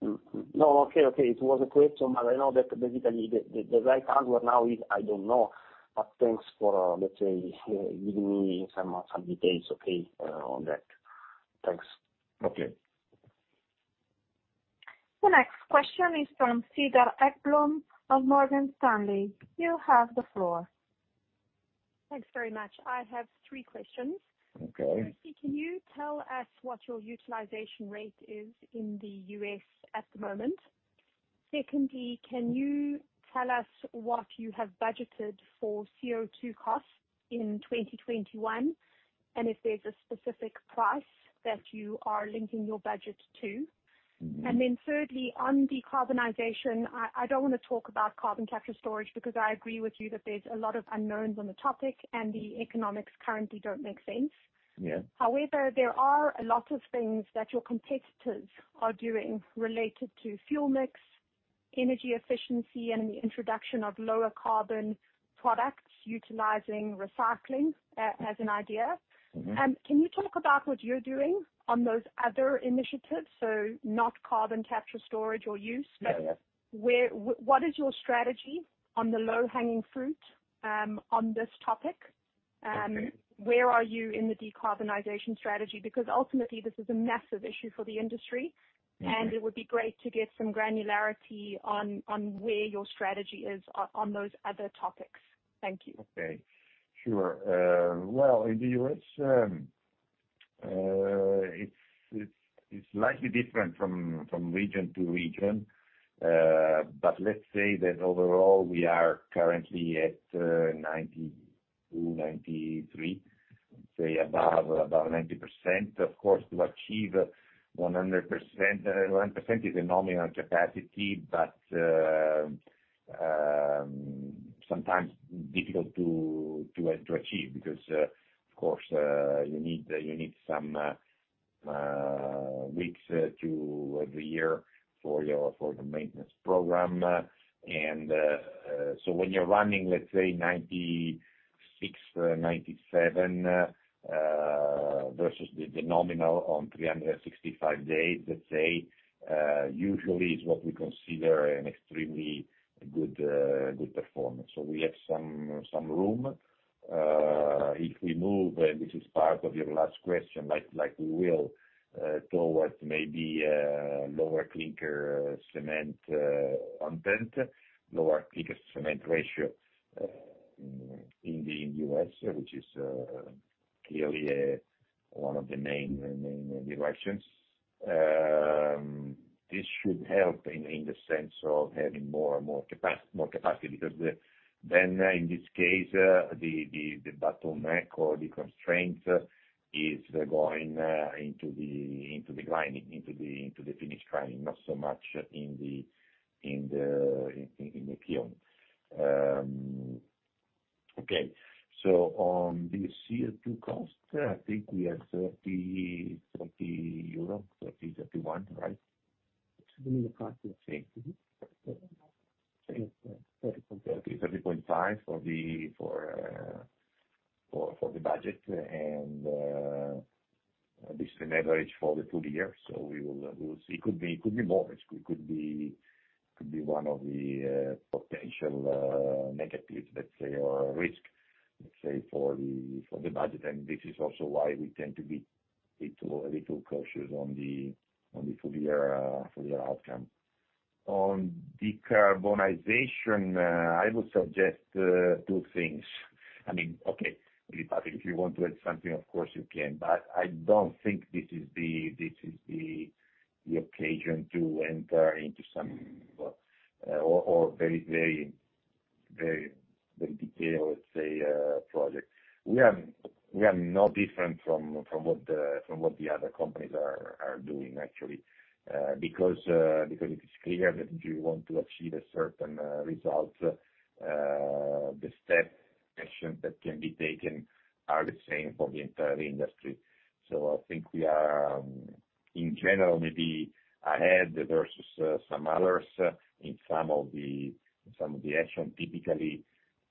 No. Okay. It was a question, but I know that basically, the right answer now is I don't know, but thanks for, let's say, giving me some details, okay, on that. Thanks. Okay. The next question is from Cedar Ekblom of Morgan Stanley. You have the floor. Thanks very much. I have three questions. Okay. First thing, can you tell us what your utilization rate is in the U.S. at the moment? Secondly, can you tell us what you have budgeted for CO2 costs in 2021, and if there's a specific price that you are linking your budget to? Thirdly, on decarbonization, I don't want to talk about carbon capture storage, because I agree with you that there's a lot of unknowns on the topic, and the economics currently don't make sense. However, there are a lot of things that your competitors are doing related to fuel mix, energy efficiency, and the introduction of lower carbon products utilizing recycling, as an idea. Can you talk about what you're doing on those other initiatives? Not carbon capture storage or use. Yeah. What is your strategy on the low-hanging fruit on this topic? Where are you in the decarbonization strategy? Ultimately, this is a massive issue for the industry. It would be great to get some granularity on where your strategy is on those other topics. Thank you. Okay. Sure. In the U.S., it is slightly different from region to region. Let's say that overall, we are currently at 92%-93%, say above 90%. Of course, to achieve 100% is a nominal capacity, but sometimes difficult to achieve because, of course, you need some weeks of the year for the maintenance program. When you are running, let's say 96%-97%, versus the nominal on 365 days, let's say, usually is what we consider an extremely good performance. We have some room. If we move, and this is part of your last question, like we will, towards maybe lower clinker cement content, lower clinker cement ratio in the U.S., which is clearly one of the main directions. This should help in the sense of having more capacity, because then in this case, the bottleneck or the constraint is going into the grinding, into the finished grinding, not so much in the kiln. Okay. On the CO2 cost, I think we are 30, 30, 31, right? Should be in the cost, yes. 30.5 for the budget, this is an average for the full year. We will see. It could be more. Could be one of the potential negatives, let's say, or risk, let's say, for the budget. This is also why we tend to be a little cautious on the full year outcome. On decarbonization, I would suggest two things. Okay, Patrick, if you want to add something, of course you can, but I don't think this is the occasion to enter into some very detailed, let's say, project. We are no different from what the other companies are doing, actually. It is clear that if you want to achieve a certain result, the step action that can be taken are the same for the entire industry. I think we are, in general, maybe ahead versus some others in some of the action. Typically,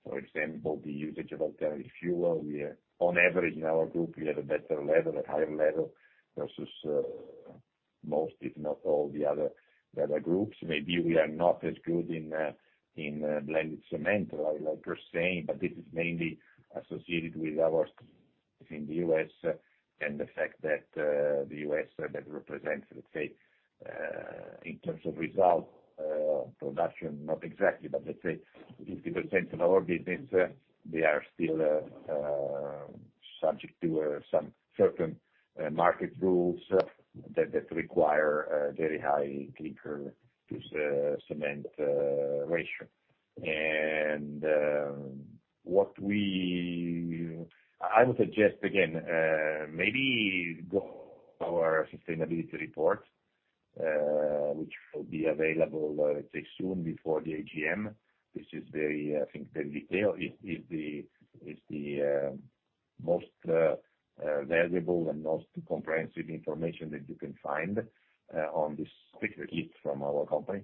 for example, the usage of alternative fuel. On average, in our group, we have a better level, a higher level versus most, if not all the other data groups. Maybe we are not as good in blended cement, like you're saying, but this is mainly associated with our in the U.S. and the fact that the U.S. that represents, let's say, in terms of result, production, not exactly. Let's say 50% of our business, they are still subject to some certain market rules that require a very high clinker to cement ratio. I would suggest again, maybe go our sustainability report, which will be available, let's say, soon before the AGM, which is very, I think, very detailed. It's the most valuable and most comprehensive information that you can find on this specific from our company.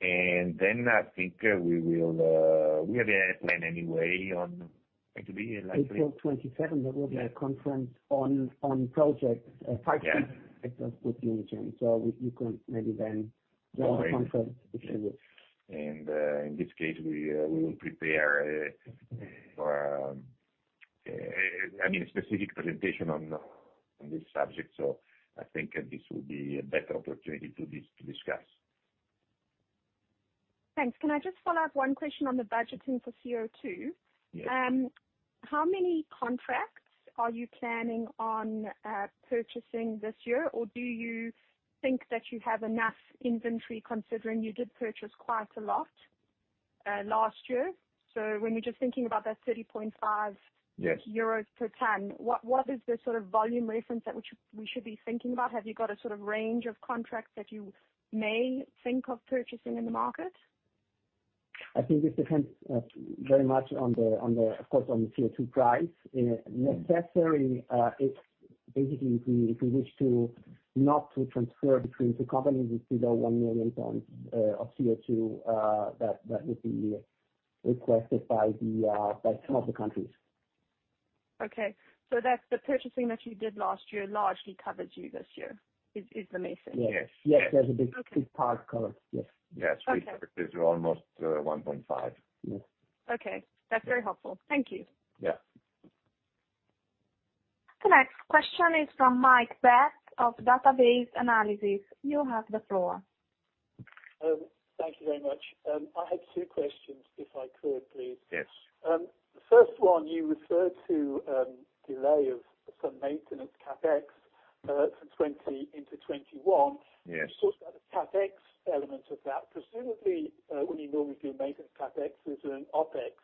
And then I think we have a plan anyway on It will be likely- April 27th, there will be a conference on project Italcementi with the AGM. You can maybe then join the conference if you will. In this case, we will prepare a specific presentation on this subject. I think this will be a better opportunity to discuss. Thanks. Can I just follow up one question on the budgeting for CO2? How many contracts are you planning on purchasing this year? Do you think that you have enough inventory considering you did purchase quite a lot last year? So, when you were just thinking about 30.5 euros per ton, what is the sort of volume reference that we should be thinking about? Have you got a sort of range of contracts that you may think of purchasing in the market? I think it depends very much, of course, on the CO2 price. If we wish to not to transfer between two companies, it's below 1 million tons of CO2 that would be requested by some of the countries. The purchasing that you did last year largely covers you this year, is the message? Yes. Yes. There's a big part covered. Yes. Yes. We purchased almost 1.5. Okay. That's very helpful. Thank you. Yeah. The next question is from Mike Betts of Data Based Analysis. You have the floor. Thank you very much. I have two questions, if I could, please. Yes. The first one, you referred to delay of some maintenance CapEx, from 2020 into 2021. You talked about the CapEx element of that. Presumably, when you normally do a maintenance CapEx, there's an OpEx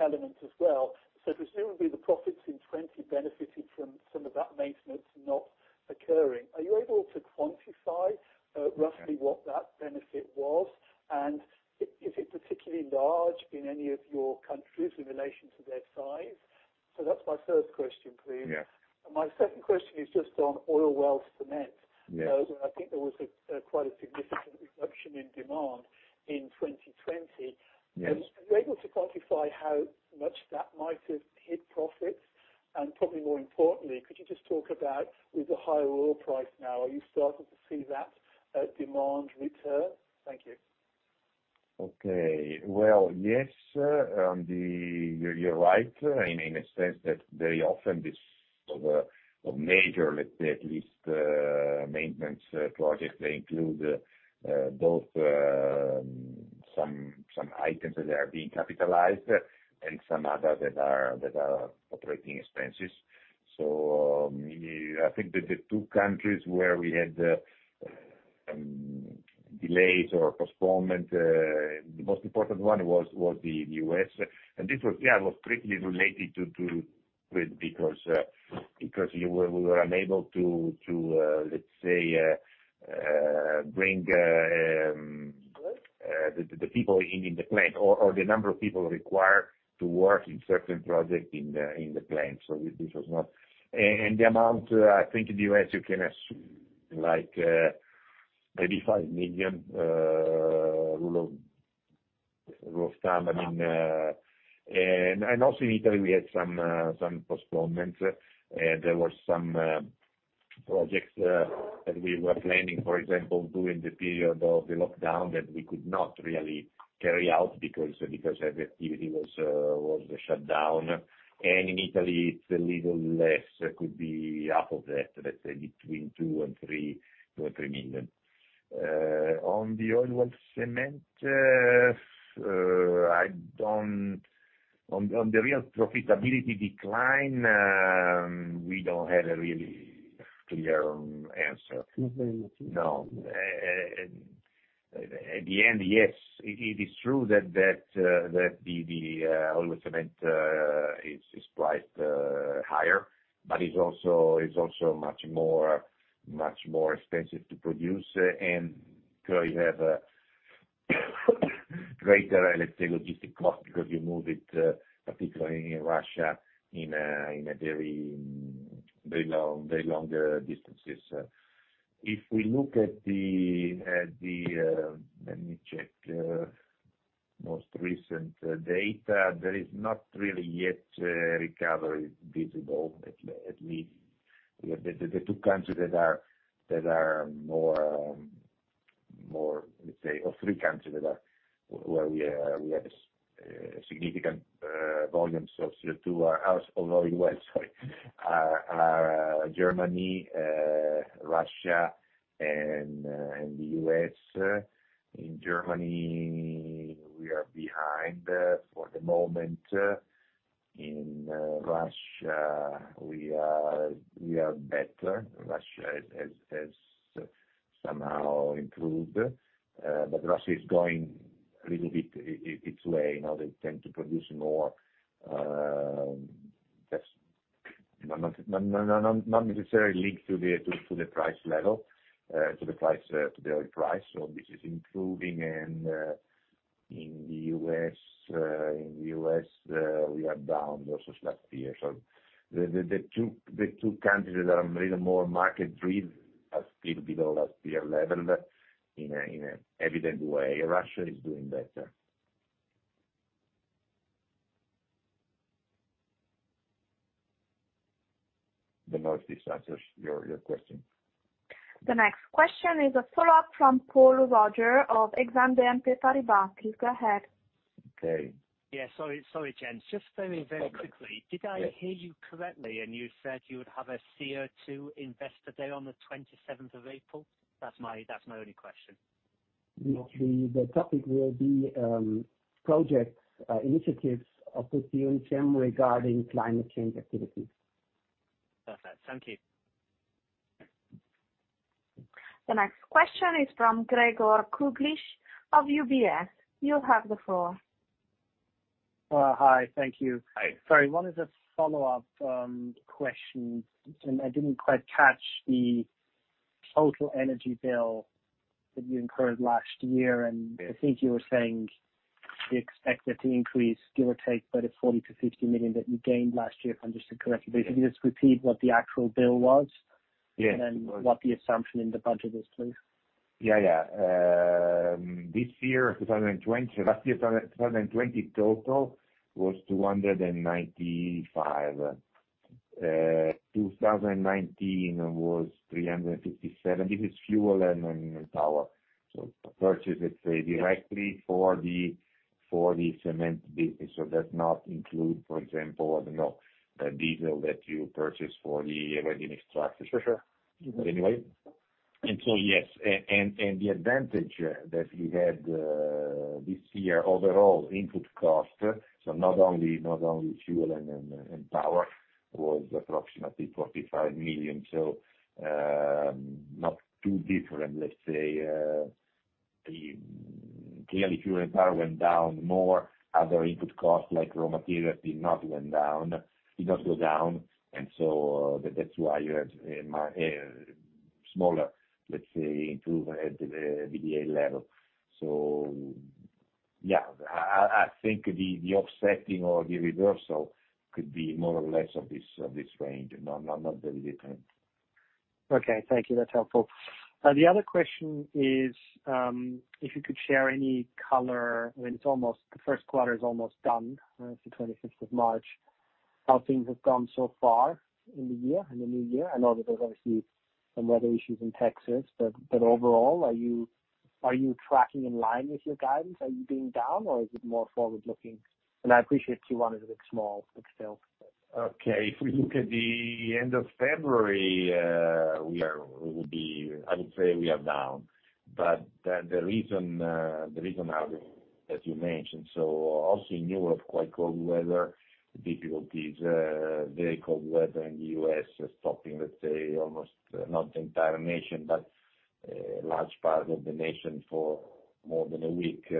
element as well. Presumably the profits in 2020 benefited from some of that maintenance not occurring. Are you able to quantify roughly what that benefit was? Is it particularly large in any of your countries in relation to their size? That's my first question, please. Yeah. My second question is just on oil well cement. I think there was quite a significant reduction in demand in 2020. Are you able to quantify how much that might have hit profits? Probably more importantly, could you just talk about, with the high oil price now, are you starting to see that demand return? Thank you. Okay. Well, yes, you are right, in a sense that very often this sort of major, let's say, at least, maintenance project, they include both some items that are being capitalized and some other that are operating expenses. I think that the two countries where we had delays or postponement, the most important one was the U.S. This was strictly related to because we were unable to, let's say, bring the people in the plant or the number of people required to work in certain project in the plant. The amount, I think in the U.S., you can assume like maybe 5 million, rule of thumb rough time. Also in Italy we had some postponements. There were some projects that we were planning, for example, during the period of the lockdown that we could not really carry out because everything was shut down. In Italy it's a little less. It could be half of that, let's say between 2 million and 3 million. On the oil well cement, on the real profitability decline, we don't have a really clear answer. No. At the end, yes, it is true that the oil cement is priced higher, but is also much more expensive to produce. You have a greater, let's say, logistic cost because you move it, particularly in Russia, in very longer distances. If we look at the most recent data. There is not really yet recovery visible, at least the two countries that are more, let's say or three countries where we have a significant volume of CO2 are Germany, Russia, and the U.S. In Germany, we are behind for the moment. In Russia, we are better. Russia has somehow improved, but Russia is going a little bit its way. They tend to produce more, that's not necessarily linked to the oil price. This is improving. In the U.S. we are down versus last year. The two countries that are a little more market driven are still below last year level in a evident way. Russia is doing better. Don't know if this answers your question. The next question is a follow-up from Paul Roger of Exane BNP Paribas. Please go ahead. Okay. Yeah, sorry, gents. Just very quickly, did I hear you correctly and you said you would have a CO2 investor day on the 27th of April? That's my only question. No. The topic will be project initiatives of Italcementi regarding climate change activities. Perfect. Thank you. The next question is from Gregor Kuglitsch of UBS. You have the floor. Well, hi, thank you. Hi. Sorry, one is a follow-up question, and I didn't quite catch the total energy bill that you incurred last year. I think you were saying you expect it to increase, give or take, but at 40 million-50 million that you gained last year, if I understood correctly. Can you just repeat what the actual bill was? And, what the assumption in the budget is, please. Yeah. Last year, 2020 total was 295 million. 2019 was 357 million. This is fuel and power. Purchase, let's say, directly for the cement business. Does not include, for example, I don't know, diesel that you purchase for the mining extraction. For sure. Anyway. So, yes. The advantage that we had this year, overall input cost, so not only fuel and power, was approximately 45 million. Not too different. Let's say, clearly fuel and power went down more. Other input costs, like raw material, did not go down. That's why you had smaller, let's say, improvement at the EBITDA level. Yeah, I think the offsetting or the reversal could be more or less of this range. Not very different. Okay. Thank you. That's helpful. The other question is, if you could share any color, the first quarter's almost done. It's the 25th of March. How things have gone so far in the new year? I know that there's obviously some weather issues in Texas, overall, are you tracking in line with your guidance? Are you being down or is it more forward-looking? I appreciate Q1 is a bit small, but still. Okay. If we look at the end of February, I would say we are down. The reason, as you mentioned, also in Europe, quite cold weather difficulties, very cold weather in the U.S. stopping, let's say, almost not the entire nation, but large part of the nation for more than a week.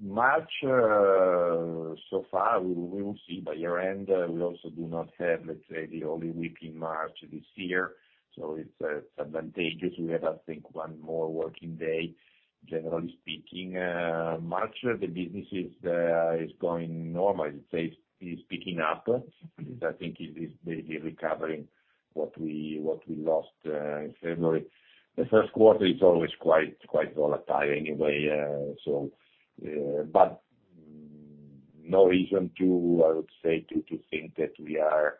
March so far, we will see by year-end. We also do not have, let's say, the only week in March this year, it's advantageous. We have, I think, one more working day, generally speaking. March, the business is going normal. Let's say it's picking up. I think it is maybe recovering what we lost in February. The first quarter is always quite volatile anyway. No reason, I would say, to think that we are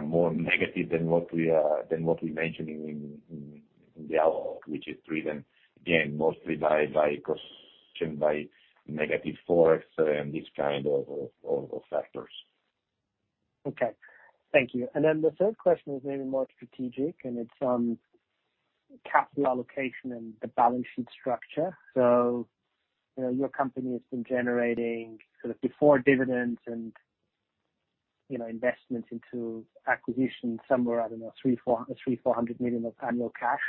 more negative than what we mentioned in the outlook, which is driven, again, mostly by caution, by negative Forex and these kind of factors. Okay. Thank you. The third question is maybe more strategic, and it's on capital allocation and the balance sheet structure. Your company has been generating, sort of before dividends and investments into acquisitions, somewhere, I don't know, 300 million, 400 million of annual cash.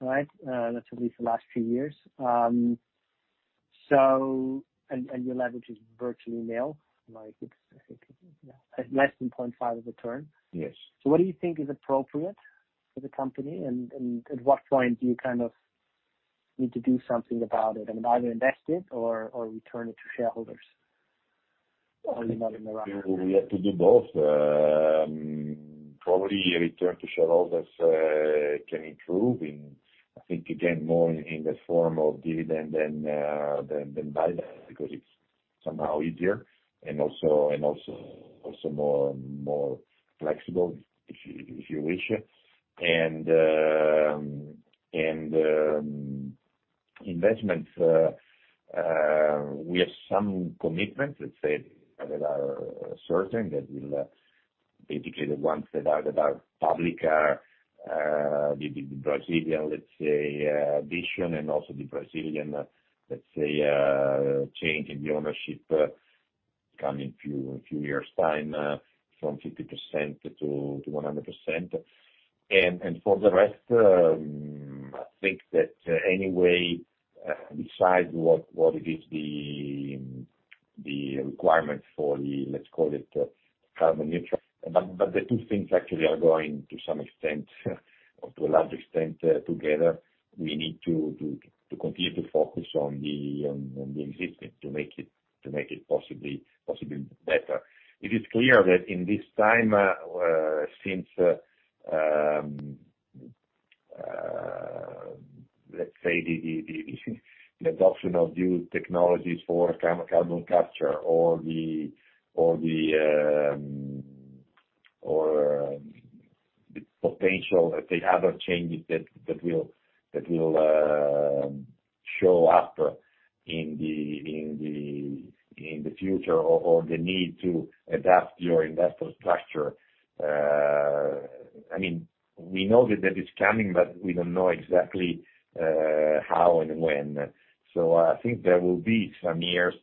Right? That's at least the last few years. Your leverage is virtually nil. It's less than 0.5 of the term. What do you think is appropriate for the company, and at what point do you kind of need to do something about it? Either invest it or return it to shareholders? We have to do both. Probably a return to shareholders can improve in, I think, again, more in the form of dividend than buyback, because it's somehow easier and also more flexible, if you wish. Investments, we have some commitments, let's say, that are certain, that will basically the ones that are about Publica, the Brazilian, let's say, vision and also the Brazilian change in the ownership come in few years' time from 50%-100%. For the rest, I think that anyway, beside what it is the requirement for the, let's call it carbon neutral. The two things actually are going to some extent or to a large extent together. We need to continue to focus on the existing, to make it possibly better. It is clear that in this time, since, let's say, the adoption of new technologies for carbon capture or the potential that they have of changes that will show after in the future or the need to adapt your investor structure. We know that is coming, but we don't know exactly how and when. I think there will be some years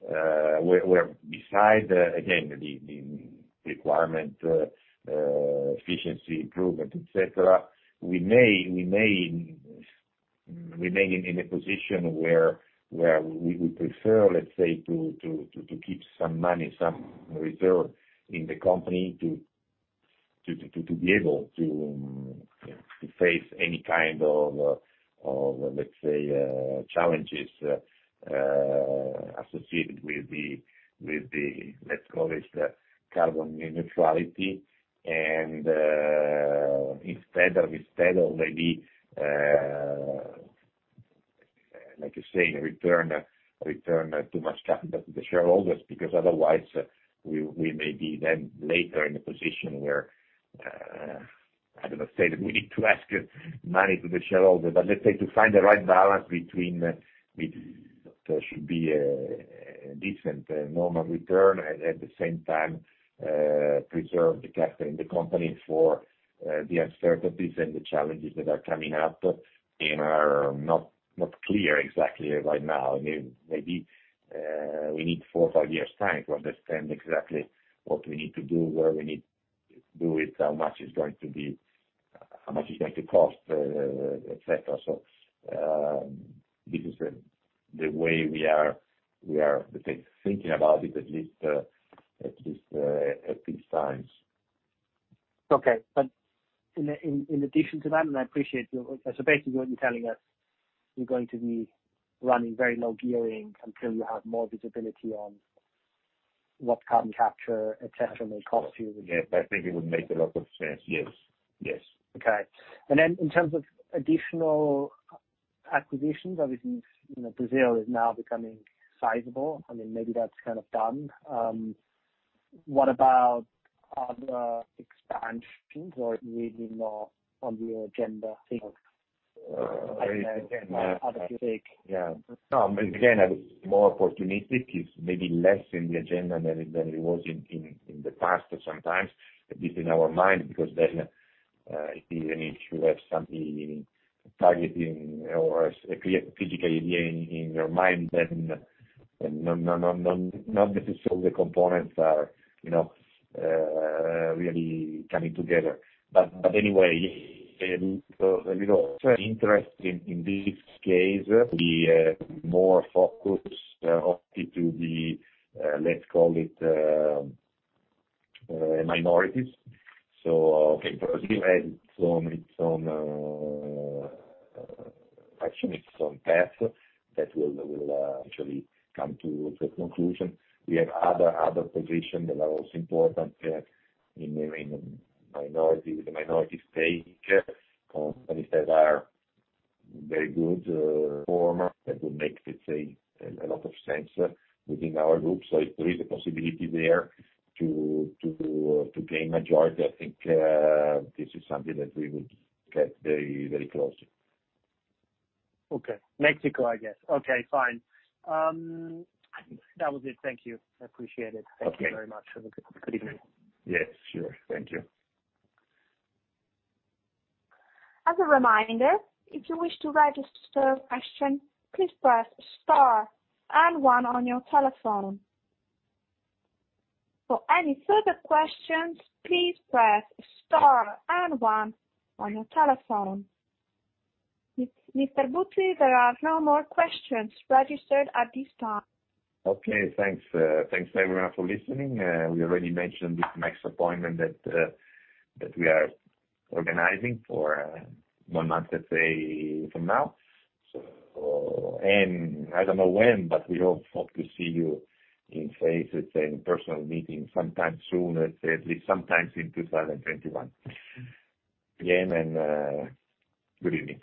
where, beside, again, the requirement, efficiency improvement, et cetera, we may remain in a position where we would prefer, let's say, to keep some money, some reserve in the company to be able to face any kind of, let's call it, carbon neutrality. Instead already, like you say, return too much capital to the shareholders, because otherwise, we may be then later in a position where, I don't want to say that we need to ask money to the shareholder, but let's say to find the right balance between, there should be a decent normal return, at the same time, preserve the capital in the company for the uncertainties and the challenges that are coming up and are not clear exactly right now. Maybe we need four or five years' time to understand exactly what we need to do, where we need to do it, how much it's going to cost, et cetera. This is the way we are thinking about it, at least at this time. Okay. In addition to that, and appreciate it. Basically, what you're telling us, you're going to be running very low gearing until you have more visibility on what carbon capture, et cetera, may cost you. Yes, I think it would make a lot of sense. Yes. Okay. Then in terms of additional acquisitions, obviously, Brazil is now becoming sizable. Maybe that's kind of done. What about other expansions? Really more on the agenda things? Again, more opportunistic. It's maybe less in the agenda than it was in the past sometimes, at least in our mind, because then, if you have something targeting or a clear strategic idea in your mind, then not that all the components are really coming together. Anyway, interest in this case, we are more focused to the, let's call it, minorities. Okay, Brazil has its own action, its own path that will actually come to a conclusion. We have other positions that are also important in the minority stake of companies that are very good performer, that would make, let's say, a lot of sense within our group. If there is a possibility there to gain majority, I think this is something that we would get very close. Okay. Mexico, I guess. Okay, fine. That was it. Thank you. I appreciate it. Okay. Thank you very much. Have a good evening. Yes, sure. Thank you. As a reminder if you wish to ask a question, please press star and one on your telephone. For any further questions, please press star and one on your telephone. Mr. Buzzi, there are no more questions registered at this time. Okay, thanks everyone for listening. We already mentioned this next appointment that we are organizing for one month from now. I don't know when, but we hope to see you in face in personal meeting sometime soon at least sometimes in 2021. Again, good evening.